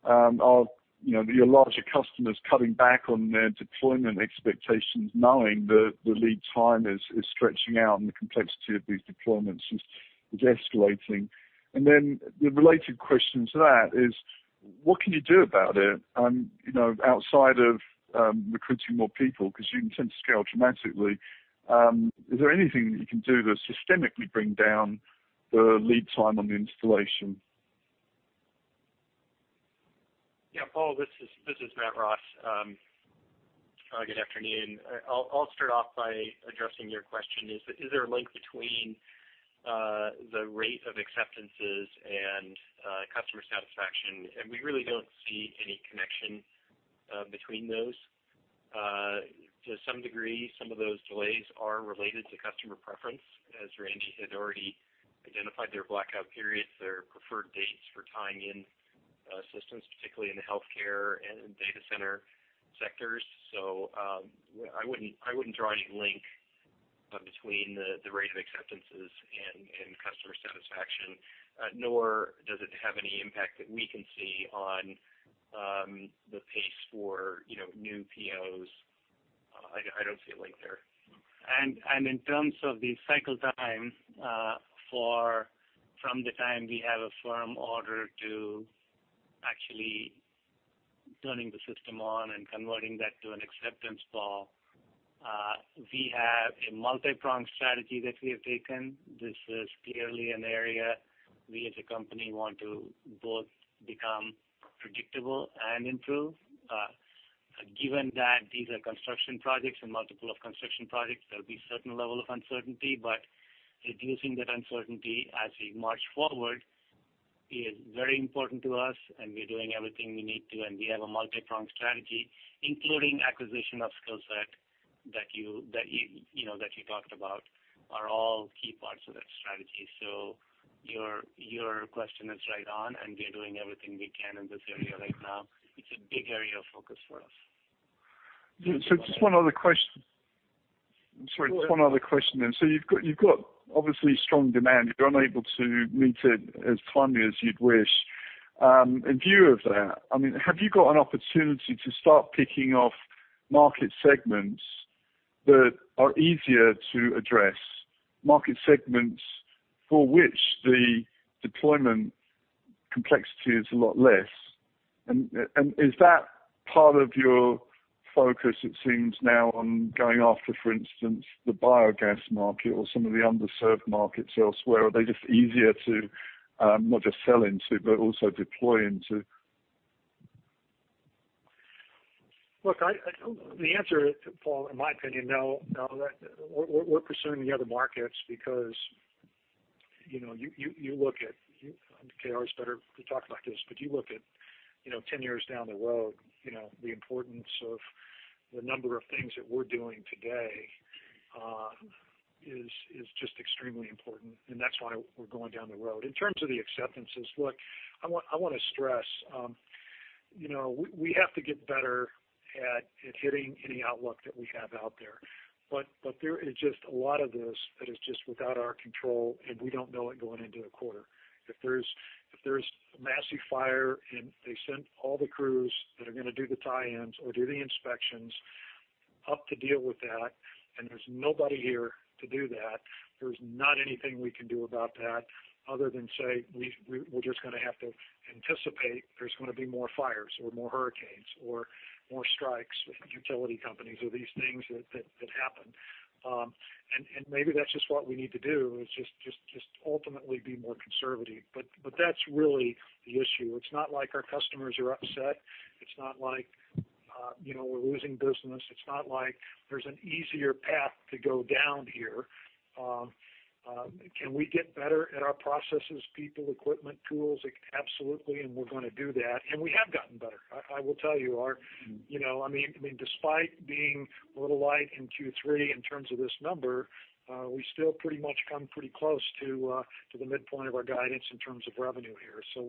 Are, you know, your larger customers cutting back on their deployment expectations knowing that the lead time is stretching out and the complexity of these deployments is escalating? The related question to that is what can you do about it? You know, outside of recruiting more people because you intend to scale dramatically, is there anything that you can do to systemically bring down the lead time on the installation? Paul, this is Matt Ross. Good afternoon. I'll start off by addressing your question. Is there a link between the rate of acceptances and customer satisfaction? We really don't see any connection between those. To some degree, some of those delays are related to customer preference. As Randy had already identified their blackout periods, their preferred dates for tying in systems, particularly in the healthcare and data center sectors. I wouldn't draw any link between the rate of acceptances and customer satisfaction, nor does it have any impact that we can see on the pace for, you know, new POs. I don't see a link there. In terms of the cycle time, for from the time we have a firm order to actually turning the system on and converting that to an acceptance, Paul. We have a multi-pronged strategy that we have taken. This is clearly an area we as a company want to both become predictable and improve. Given that these are construction projects and multiple of construction projects, there'll be certain level of uncertainty, but reducing that uncertainty as we march forward is very important to us, and we're doing everything we need to, and we have a multi-pronged strategy, including acquisition of skill set that you talked about, are all key parts of that strategy. Your, your question is right on, and we're doing everything we can in this area right now. It's a big area of focus for us. Just one other question then. You've got obviously strong demand. You're unable to meet it as timely as you'd wish. In view of that, I mean, have you got an opportunity to start picking off market segments that are easier to address, market segments for which the deployment complexity is a lot less? Is that part of your focus, it seems now on going after, for instance, the biogas market or some of the underserved markets elsewhere? Are they just easier to not just sell into, but also deploy into? Look, I don't The answer, Paul, in my opinion, no. No. We're pursuing the other markets because, you know, you look at KR is better to talk about this, but you look at, you know, 10 years down the road, you know, the importance of the number of things that we're doing today is just extremely important. That's why we're going down the road. In terms of the acceptances, look, I wanna stress, you know, we have to get better at hitting any outlook that we have out there. There is just a lot of this that is just without our control, and we don't know it going into a quarter. If there's a massive fire and they sent all the crews that are gonna do the tie-ins or do the inspections up to deal with that, and there's nobody here to do that, there's not anything we can do about that other than say, we're just gonna have to anticipate there's gonna be more fires or more hurricanes or more strikes with utility companies or these things that happen. Maybe that's just what we need to do, is just ultimately be more conservative. That's really the issue. It's not like our customers are upset. It's not like, you know, we're losing business. It's not like there's an easier path to go down here. Can we get better at our processes, people, equipment, tools? Absolutely, and we're gonna do that. We have gotten better. I will tell you, our, you know I mean, I mean, despite being a little light in Q3 in terms of this number, we still pretty much come pretty close to the midpoint of our guidance in terms of revenue here.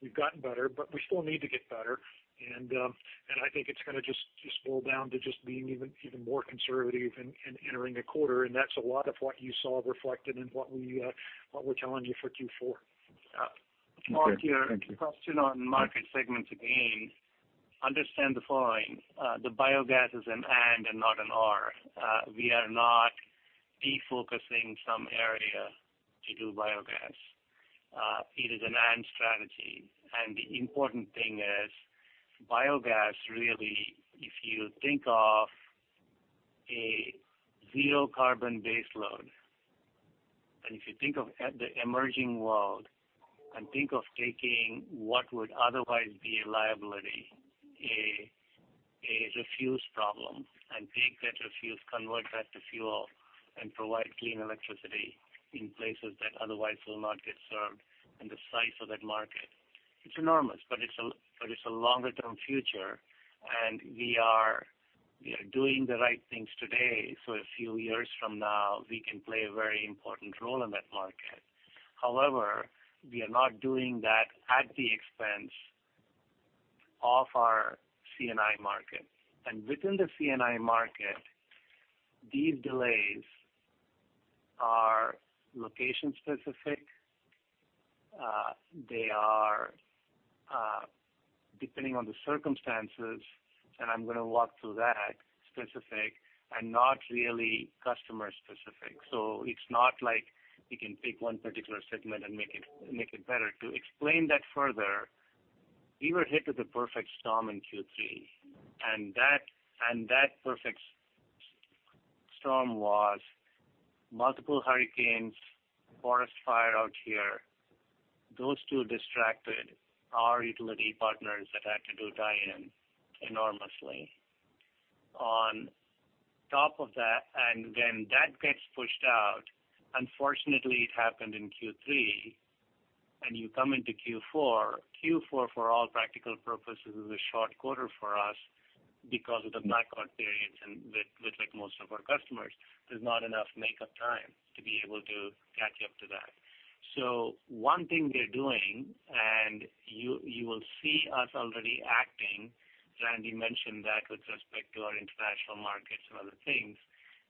We've gotten better, but we still need to get better. I think it's gonna just boil down to just being even more conservative in entering a quarter, and that's a lot of what you saw reflected in what we're telling you for Q4. Okay. Thank you. Paul, your question on market segments again, understand the following: The biogas is an and not an or. We are not defocusing some area to do biogas. It is an and strategy. The important thing is biogas, really, if you think of a zero carbon base load, and if you think of the emerging world and think of taking what would otherwise be a liability, a refuse problem, and take that refuse, convert that to fuel and provide clean electricity in places that otherwise will not get served, and the size of that market, it's enormous. It's a longer-term future, and we are doing the right things today, so a few years from now, we can play a very important role in that market. However, we are not doing that at the expense of our C&I market. Within the C&I market, these delays are location-specific, they are depending on the circumstances, and I'm gonna walk through that specific, and not really customer-specific. It's not like we can pick one particular segment and make it better. To explain that further, we were hit with the perfect storm in Q3, and that perfect storm was multiple hurricanes, forest fire out here. Those two distracted our utility partners that had to do tie-in enormously. On top of that, when that gets pushed out, unfortunately, it happened in Q3, and you come into Q4. Q4, for all practical purposes, is a short quarter for us because of the blackout periods and with like most of our customers, there's not enough makeup time to be able to catch up to that. One thing we are doing, and you will see us already acting, Randy mentioned that with respect to our international markets and other things,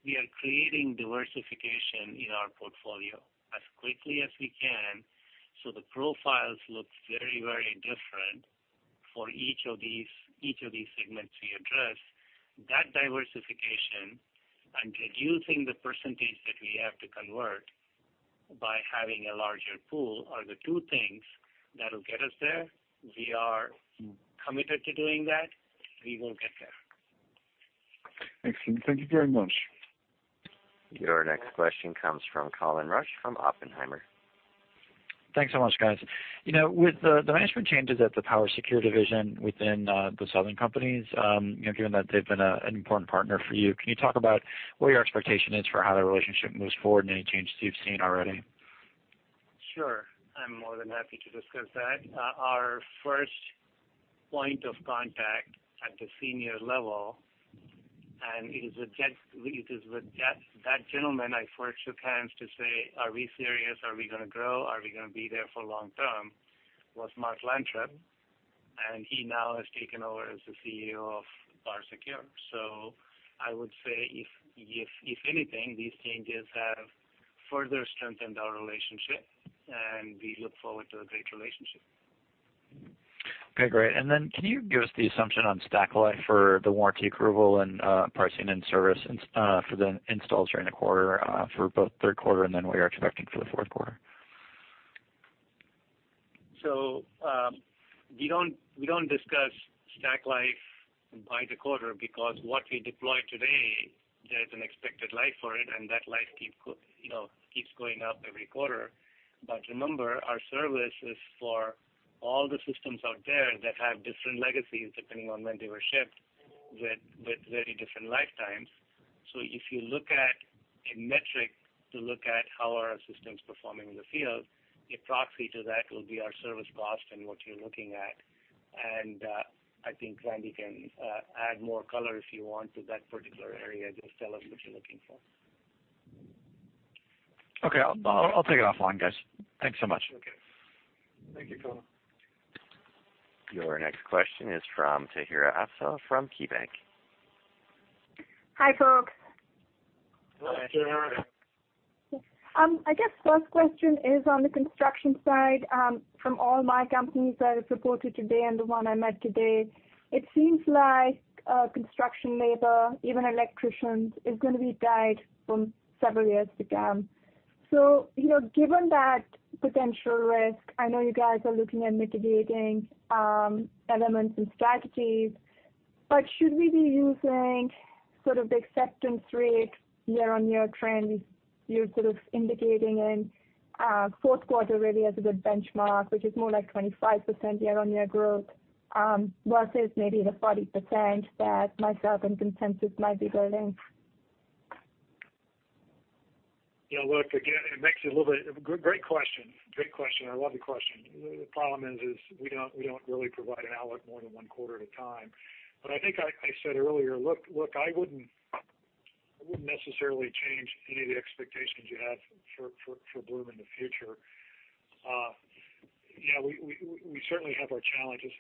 we are creating diversification in our portfolio as quickly as we can, so the profiles look very, very different for each of these segments we address. That diversification and reducing the percentage that we have to convert by having a larger pool are the two things that'll get us there. We are committed to doing that. We will get there. Excellent. Thank you very much. Your next question comes from Colin Rusch from Oppenheimer. Thanks so much, guys. You know, with the management changes at the PowerSecure division within the Southern Company, you know, given that they've been an important partner for you, can you talk about what your expectation is for how the relationship moves forward and any changes you've seen already? Sure. I'm more than happy to discuss that. Our first point of contact at the senior level, and it is with Jeff. That gentleman I first shook hands to say, "Are we serious? Are we gonna grow? Are we gonna be there for long term?" Was Mark Lantrip, and he now has taken over as the CEO of PowerSecure. I would say if anything, these changes have further strengthened our relationship, and we look forward to a great relationship. Okay, great. Can you give us the assumption on stack life for the warranty approval and pricing and service for the installs during the quarter, for both third quarter and what you're expecting for the fourth quarter? We don't, we don't discuss stack life by the quarter because what we deploy today, there's an expected life for it, and that life you know, keeps going up every quarter. Remember, our service is for all the systems out there that have different legacies depending on when they were shipped with very different lifetimes. If you look at a metric to look at how are our systems performing in the field, a proxy to that will be our service cost and what you're looking at. I think Randy can add more color if you want to that particular area. Just tell us what you're looking for. Okay. I'll take it offline, guys. Thanks so much. Okay. Thank you, Colin. Your next question is from Tahira Afzal from KeyBanc. Hi, folks. Hi, Tahira. I guess first question is on the construction side. From all my companies that have reported today and the one I met today, it seems like construction labor, even electricians, is gonna be tight for several years to come. You know, given that potential risk, I know you guys are looking at mitigating elements and strategies, but should we be using sort of the acceptance rate year-on-year trends you're sort of indicating in fourth quarter really as a good benchmark, which is more like 25% year-on-year growth versus maybe the 40% that myself and consensus might be building? Yeah, look, again, it makes it a little bit great question. Great question. I love the question. The problem is we don't really provide an outlook more than one quarter at a time. I think I said earlier, look, I wouldn't necessarily change any of the expectations you have for Bloom in the future. You know, we certainly have our challenges.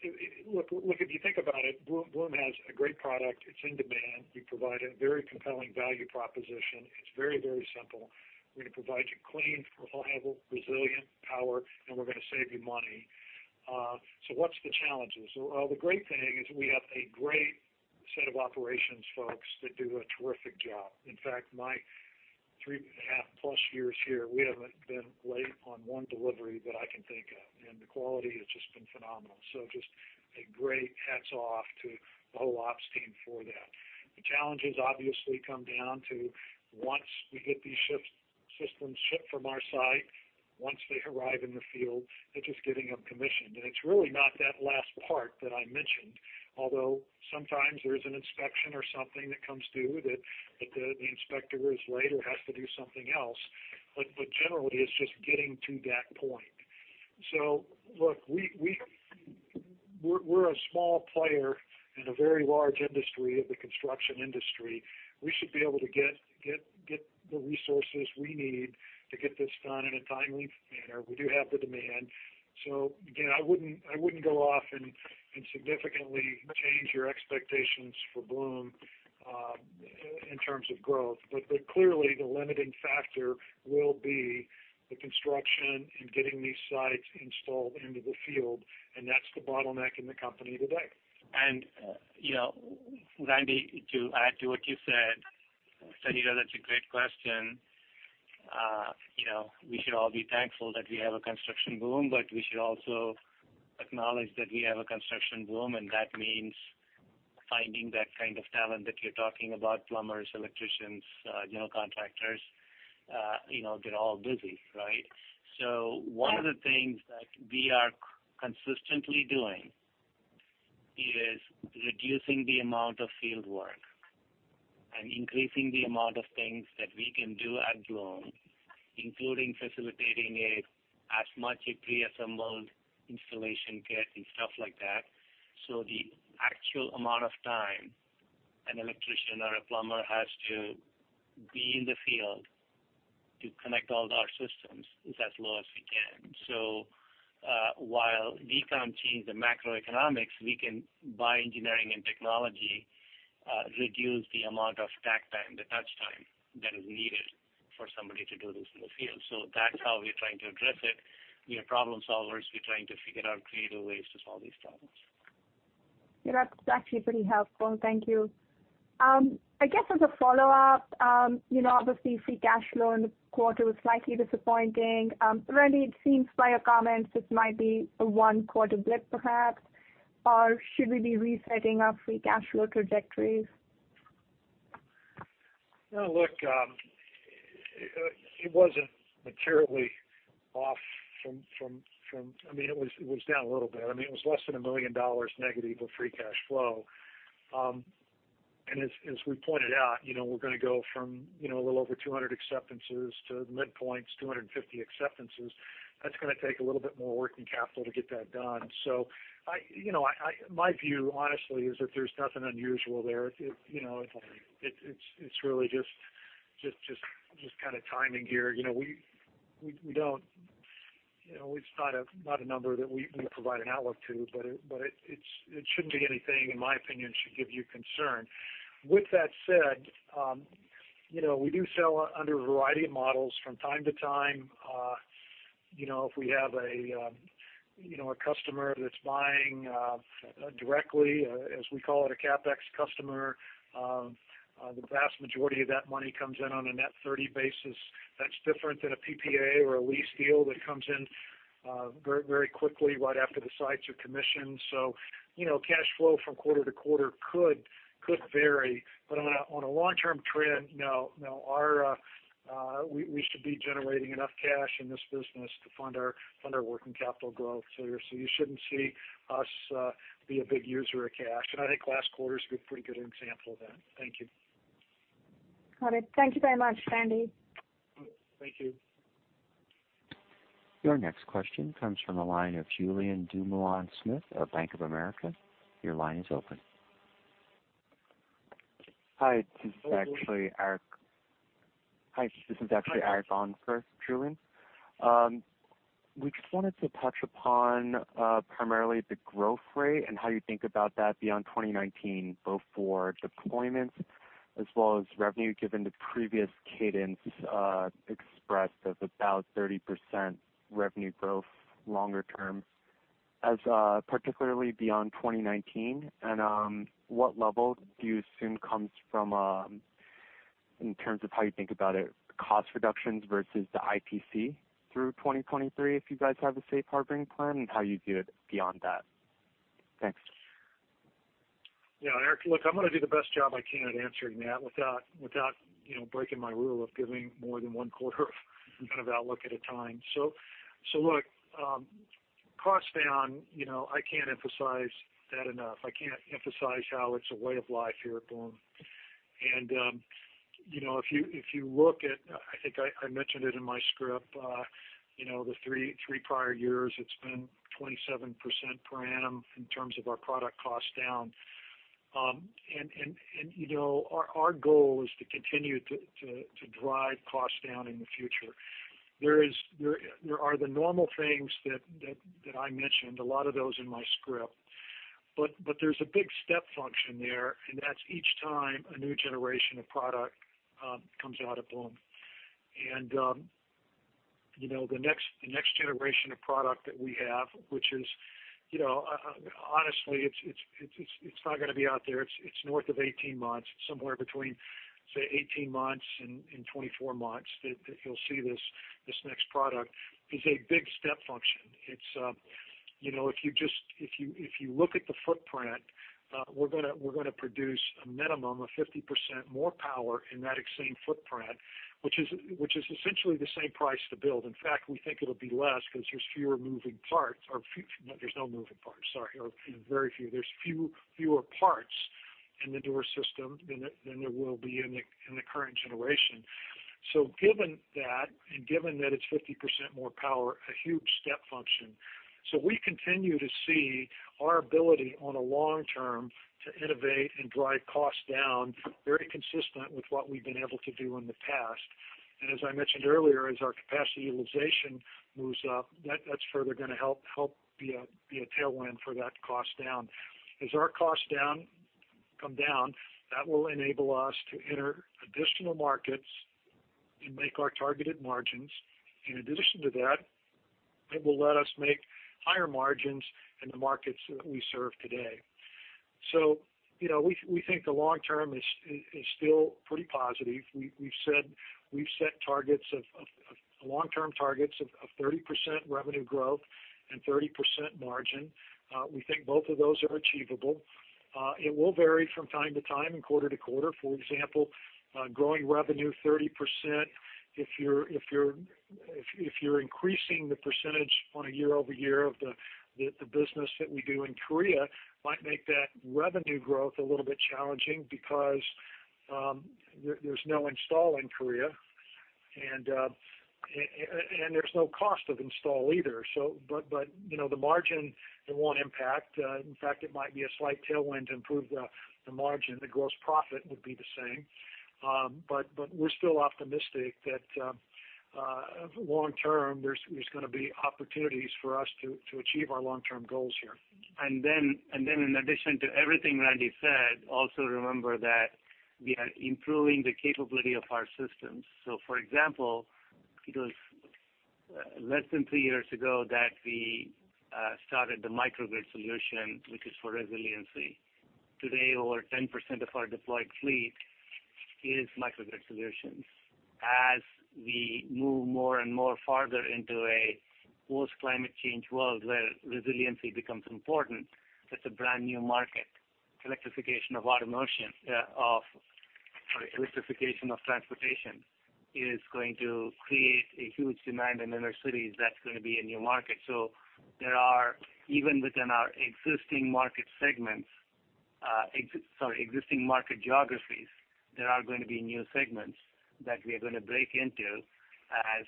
Look, if you think about it, Bloom has a great product. It's in demand. We provide a very compelling value proposition. It's very, very simple. We're gonna provide you clean, reliable, resilient power, and we're gonna save you money. What's the challenges? Well, the great thing is we have a great set of operations folks that do a terrific job. In fact, my 3.5+ years here, we haven't been late on one delivery that I can think of, and the quality has just been phenomenal. Just a great hats off to the whole ops team for that. The challenges obviously come down to once we get these systems shipped from our site, once they arrive in the field, it is getting them commissioned. It's really not that last part that I mentioned, although sometimes there's an inspection or something that comes due that the inspector is late or has to do something else. Generally it's just getting to that point. Look, we're a small player in a very large industry of the construction industry. We should be able to get the resources we need to get this done in a timely manner. We do have the demand. Again, I wouldn't go off and significantly change your expectations for Bloom, in terms of growth. Clearly the limiting factor will be the construction and getting these sites installed into the field, and that's the bottleneck in the company today. You know, Randy, to add to what you said, Tahira, that's a great question. You know, we should all be thankful that we have a construction boom, but we should also acknowledge that we have a construction boom, and that means finding that kind of talent that you're talking about, plumbers, electricians, you know, contractors, you know, get all busy, right? One of the things that we are consistently doing is reducing the amount of field work and increasing the amount of things that we can do at Bloom, including facilitating as much a preassembled installation kit and stuff like that. The actual amount of time an electrician or a plumber has to be in the field to connect all of our systems is as low as we can. While we can't change the macroeconomics, we can, by engineering and technology, reduce the amount of takt time, the touch time that is needed for somebody to do this in the field. That's how we're trying to address it. We are problem solvers. We're trying to figure out creative ways to solve these problems. Yeah, that's actually pretty helpful. Thank you. I guess as a follow-up, you know, obviously, free cash flow in the quarter was slightly disappointing. Randy, it seems by your comments this might be a one-quarter blip perhaps, or should we be resetting our free cash flow trajectories? No, look, I mean, it wasn't materially off from, it was down a little bit. I mean, it was less than $1 million negative of free cash flow. As we pointed out, you know, we're gonna go from, you know, a little over 200 acceptances to midpoints, 250 acceptances. That's gonna take a little bit more working capital to get that done. I, you know, my view, honestly, is that there's nothing unusual there. It, you know, it's really just kinda timing here. You know, we don't, you know, it's not a number that we provide an outlook to, but it shouldn't be anything, in my opinion, should give you concern. With that said, you know, we do sell under a variety of models from time to time. You know, if we have a, you know, a customer that's buying directly, as we call it, a CapEx customer, the vast majority of that money comes in on a net 30 basis. That's different than a PPA or a lease deal that comes in very quickly right after the sites are commissioned. You know, cash flow from quarter to quarter could vary. On a long-term trend, no, We should be generating enough cash in this business to fund our working capital growth. You shouldn't see us be a big user of cash. I think last quarter's a pretty good example of that. Thank you. Got it. Thank you very much, Randy. Thank you. Your next question comes from the line of Julien Dumoulin-Smith of Bank of America. Your line is open. Hi, this is actually Eric on for Julien. We just wanted to touch upon primarily the growth rate and how you think about that beyond 2019, both for deployments as well as revenue, given the previous cadence expressed of about 30% revenue growth longer term, as particularly beyond 2019. What level do you assume comes from in terms of how you think about it, cost reductions versus the ITC through 2023, if you guys have a safe harboring plan, and how you view it beyond that? Thanks. Yeah, Eric, look, I'm gonna do the best job I can at answering that without, you know, breaking my rule of giving more than one quarter of an outlook at a time. Look, costs down, you know, I can't emphasize that enough. I can't emphasize how it's a way of life here at Bloom. You know, if you look at, I think I mentioned it in my script, you know, the three prior years, it's been 27% per annum in terms of our product cost down. You know, our goal is to continue to drive costs down in the future. There are the normal things that I mentioned, a lot of those in my script. There's a big step function there, that's each time a new generation of product comes out of Bloom. You know, the next generation of product that we have, which is, you know, honestly, it's not gonna be out there. It's north of 18 months. It's somewhere between, say, 18 months and 24 months that you'll see this next product, is a big step function. It's, you know, if you just look at the footprint, we're gonna produce a minimum of 50% more power in that same footprint, which is essentially the same price to build. In fact, we think it'll be less because there's fewer moving parts or no moving parts, sorry, or very few. There's fewer parts in the server system than there will be in the current generation. Given that, and given that it's 50% more power, a huge step function. We continue to see our ability on a long-term to innovate and drive costs down, very consistent with what we've been able to do in the past. As I mentioned earlier, as our capacity utilization moves up, that's further gonna help be a tailwind for that cost-down. As our costs come down, that will enable us to enter additional markets and make our targeted margins. In addition to that, it will let us make higher margins in the markets that we serve today. You know, we think the long-term is still pretty positive. We've set long-term targets of 30% revenue growth and 30% margin. We think both of those are achievable. It will vary from time to time and quarter to quarter. For example, growing revenue 30%, if you're increasing the percentage on a year-over-year of the business that we do in Korea might make that revenue growth a little bit challenging because there's no install in Korea, and there's no cost of install either. But, you know, the margin, it won't impact. In fact, it might be a slight tailwind to improve the margin. The gross profit would be the same. We're still optimistic that long term, there's gonna be opportunities for us to achieve our long-term goals here. In addition to everything Randy said, also remember that we are improving the capability of our systems. For example, it was less than three years ago that we started the microgrid solution, which is for resiliency. Today, over 10% of our deployed fleet is microgrid solutions. As we move more and more farther into a post-climate change world where resiliency becomes important, that's a brand-new market. Electrification of transportation is going to create a huge demand in inner cities. That's gonna be a new market. There are, even within our existing market segments, existing market geographies, there are going to be new segments that we are gonna break into as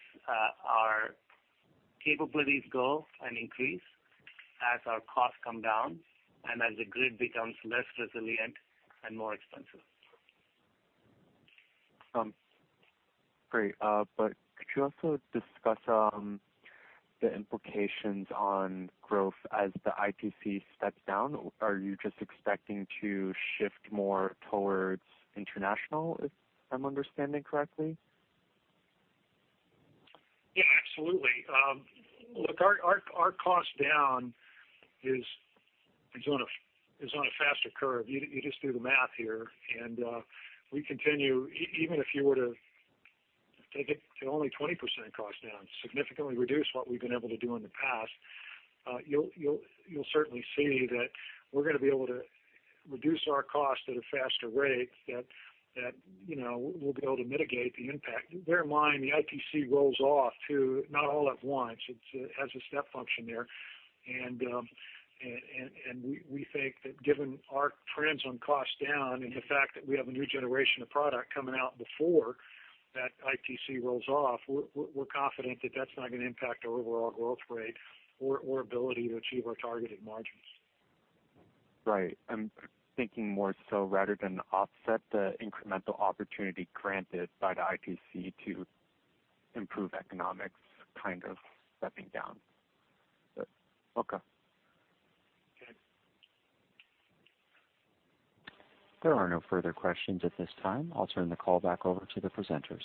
our capabilities grow and increase, as our costs come down, and as the grid becomes less resilient and more expensive. Great. Could you also discuss the implications on growth as the ITC steps down? Are you just expecting to shift more towards international, if I'm understanding correctly? Yeah, absolutely. Look, our cost down is on a faster curve. You just do the math here. Even if you were to take it to only 20% cost down, significantly reduce what we've been able to do in the past, you'll certainly see that we're gonna be able to reduce our cost at a faster rate that, you know, we'll be able to mitigate the impact. Bear in mind, the ITC rolls off, too, not all at once. It's has a step function there. We think that given our trends on cost down and the fact that we have a new generation of product coming out before that ITC rolls off, we're confident that that's not gonna impact our overall growth rate or ability to achieve our targeted margins. Right. I'm thinking more so rather than offset the incremental opportunity granted by the ITC to improve economics kind of stepping down. Okay. Okay. There are no further questions at this time. I'll turn the call back over to the presenters.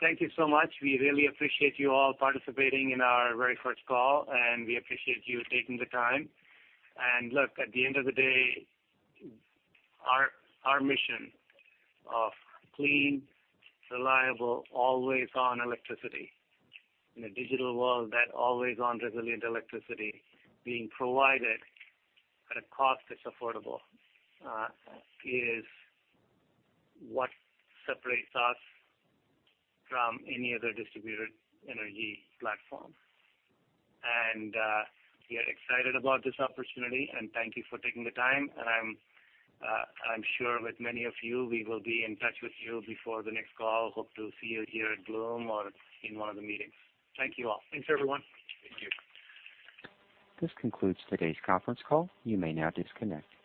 Thank you so much. We really appreciate you all participating in our very first call, and we appreciate you taking the time. Look, at the end of the day, our mission of clean, reliable, always-on electricity in a digital world, that always-on resilient electricity being provided at a cost that's affordable, is what separates us from any other distributed energy platform. We are excited about this opportunity, and thank you for taking the time. I'm sure with many of you, we will be in touch with you before the next call. Hope to see you here at Bloom or in one of the meetings. Thank you all. Thanks, everyone. Thank you. This concludes today's conference call. You may now disconnect.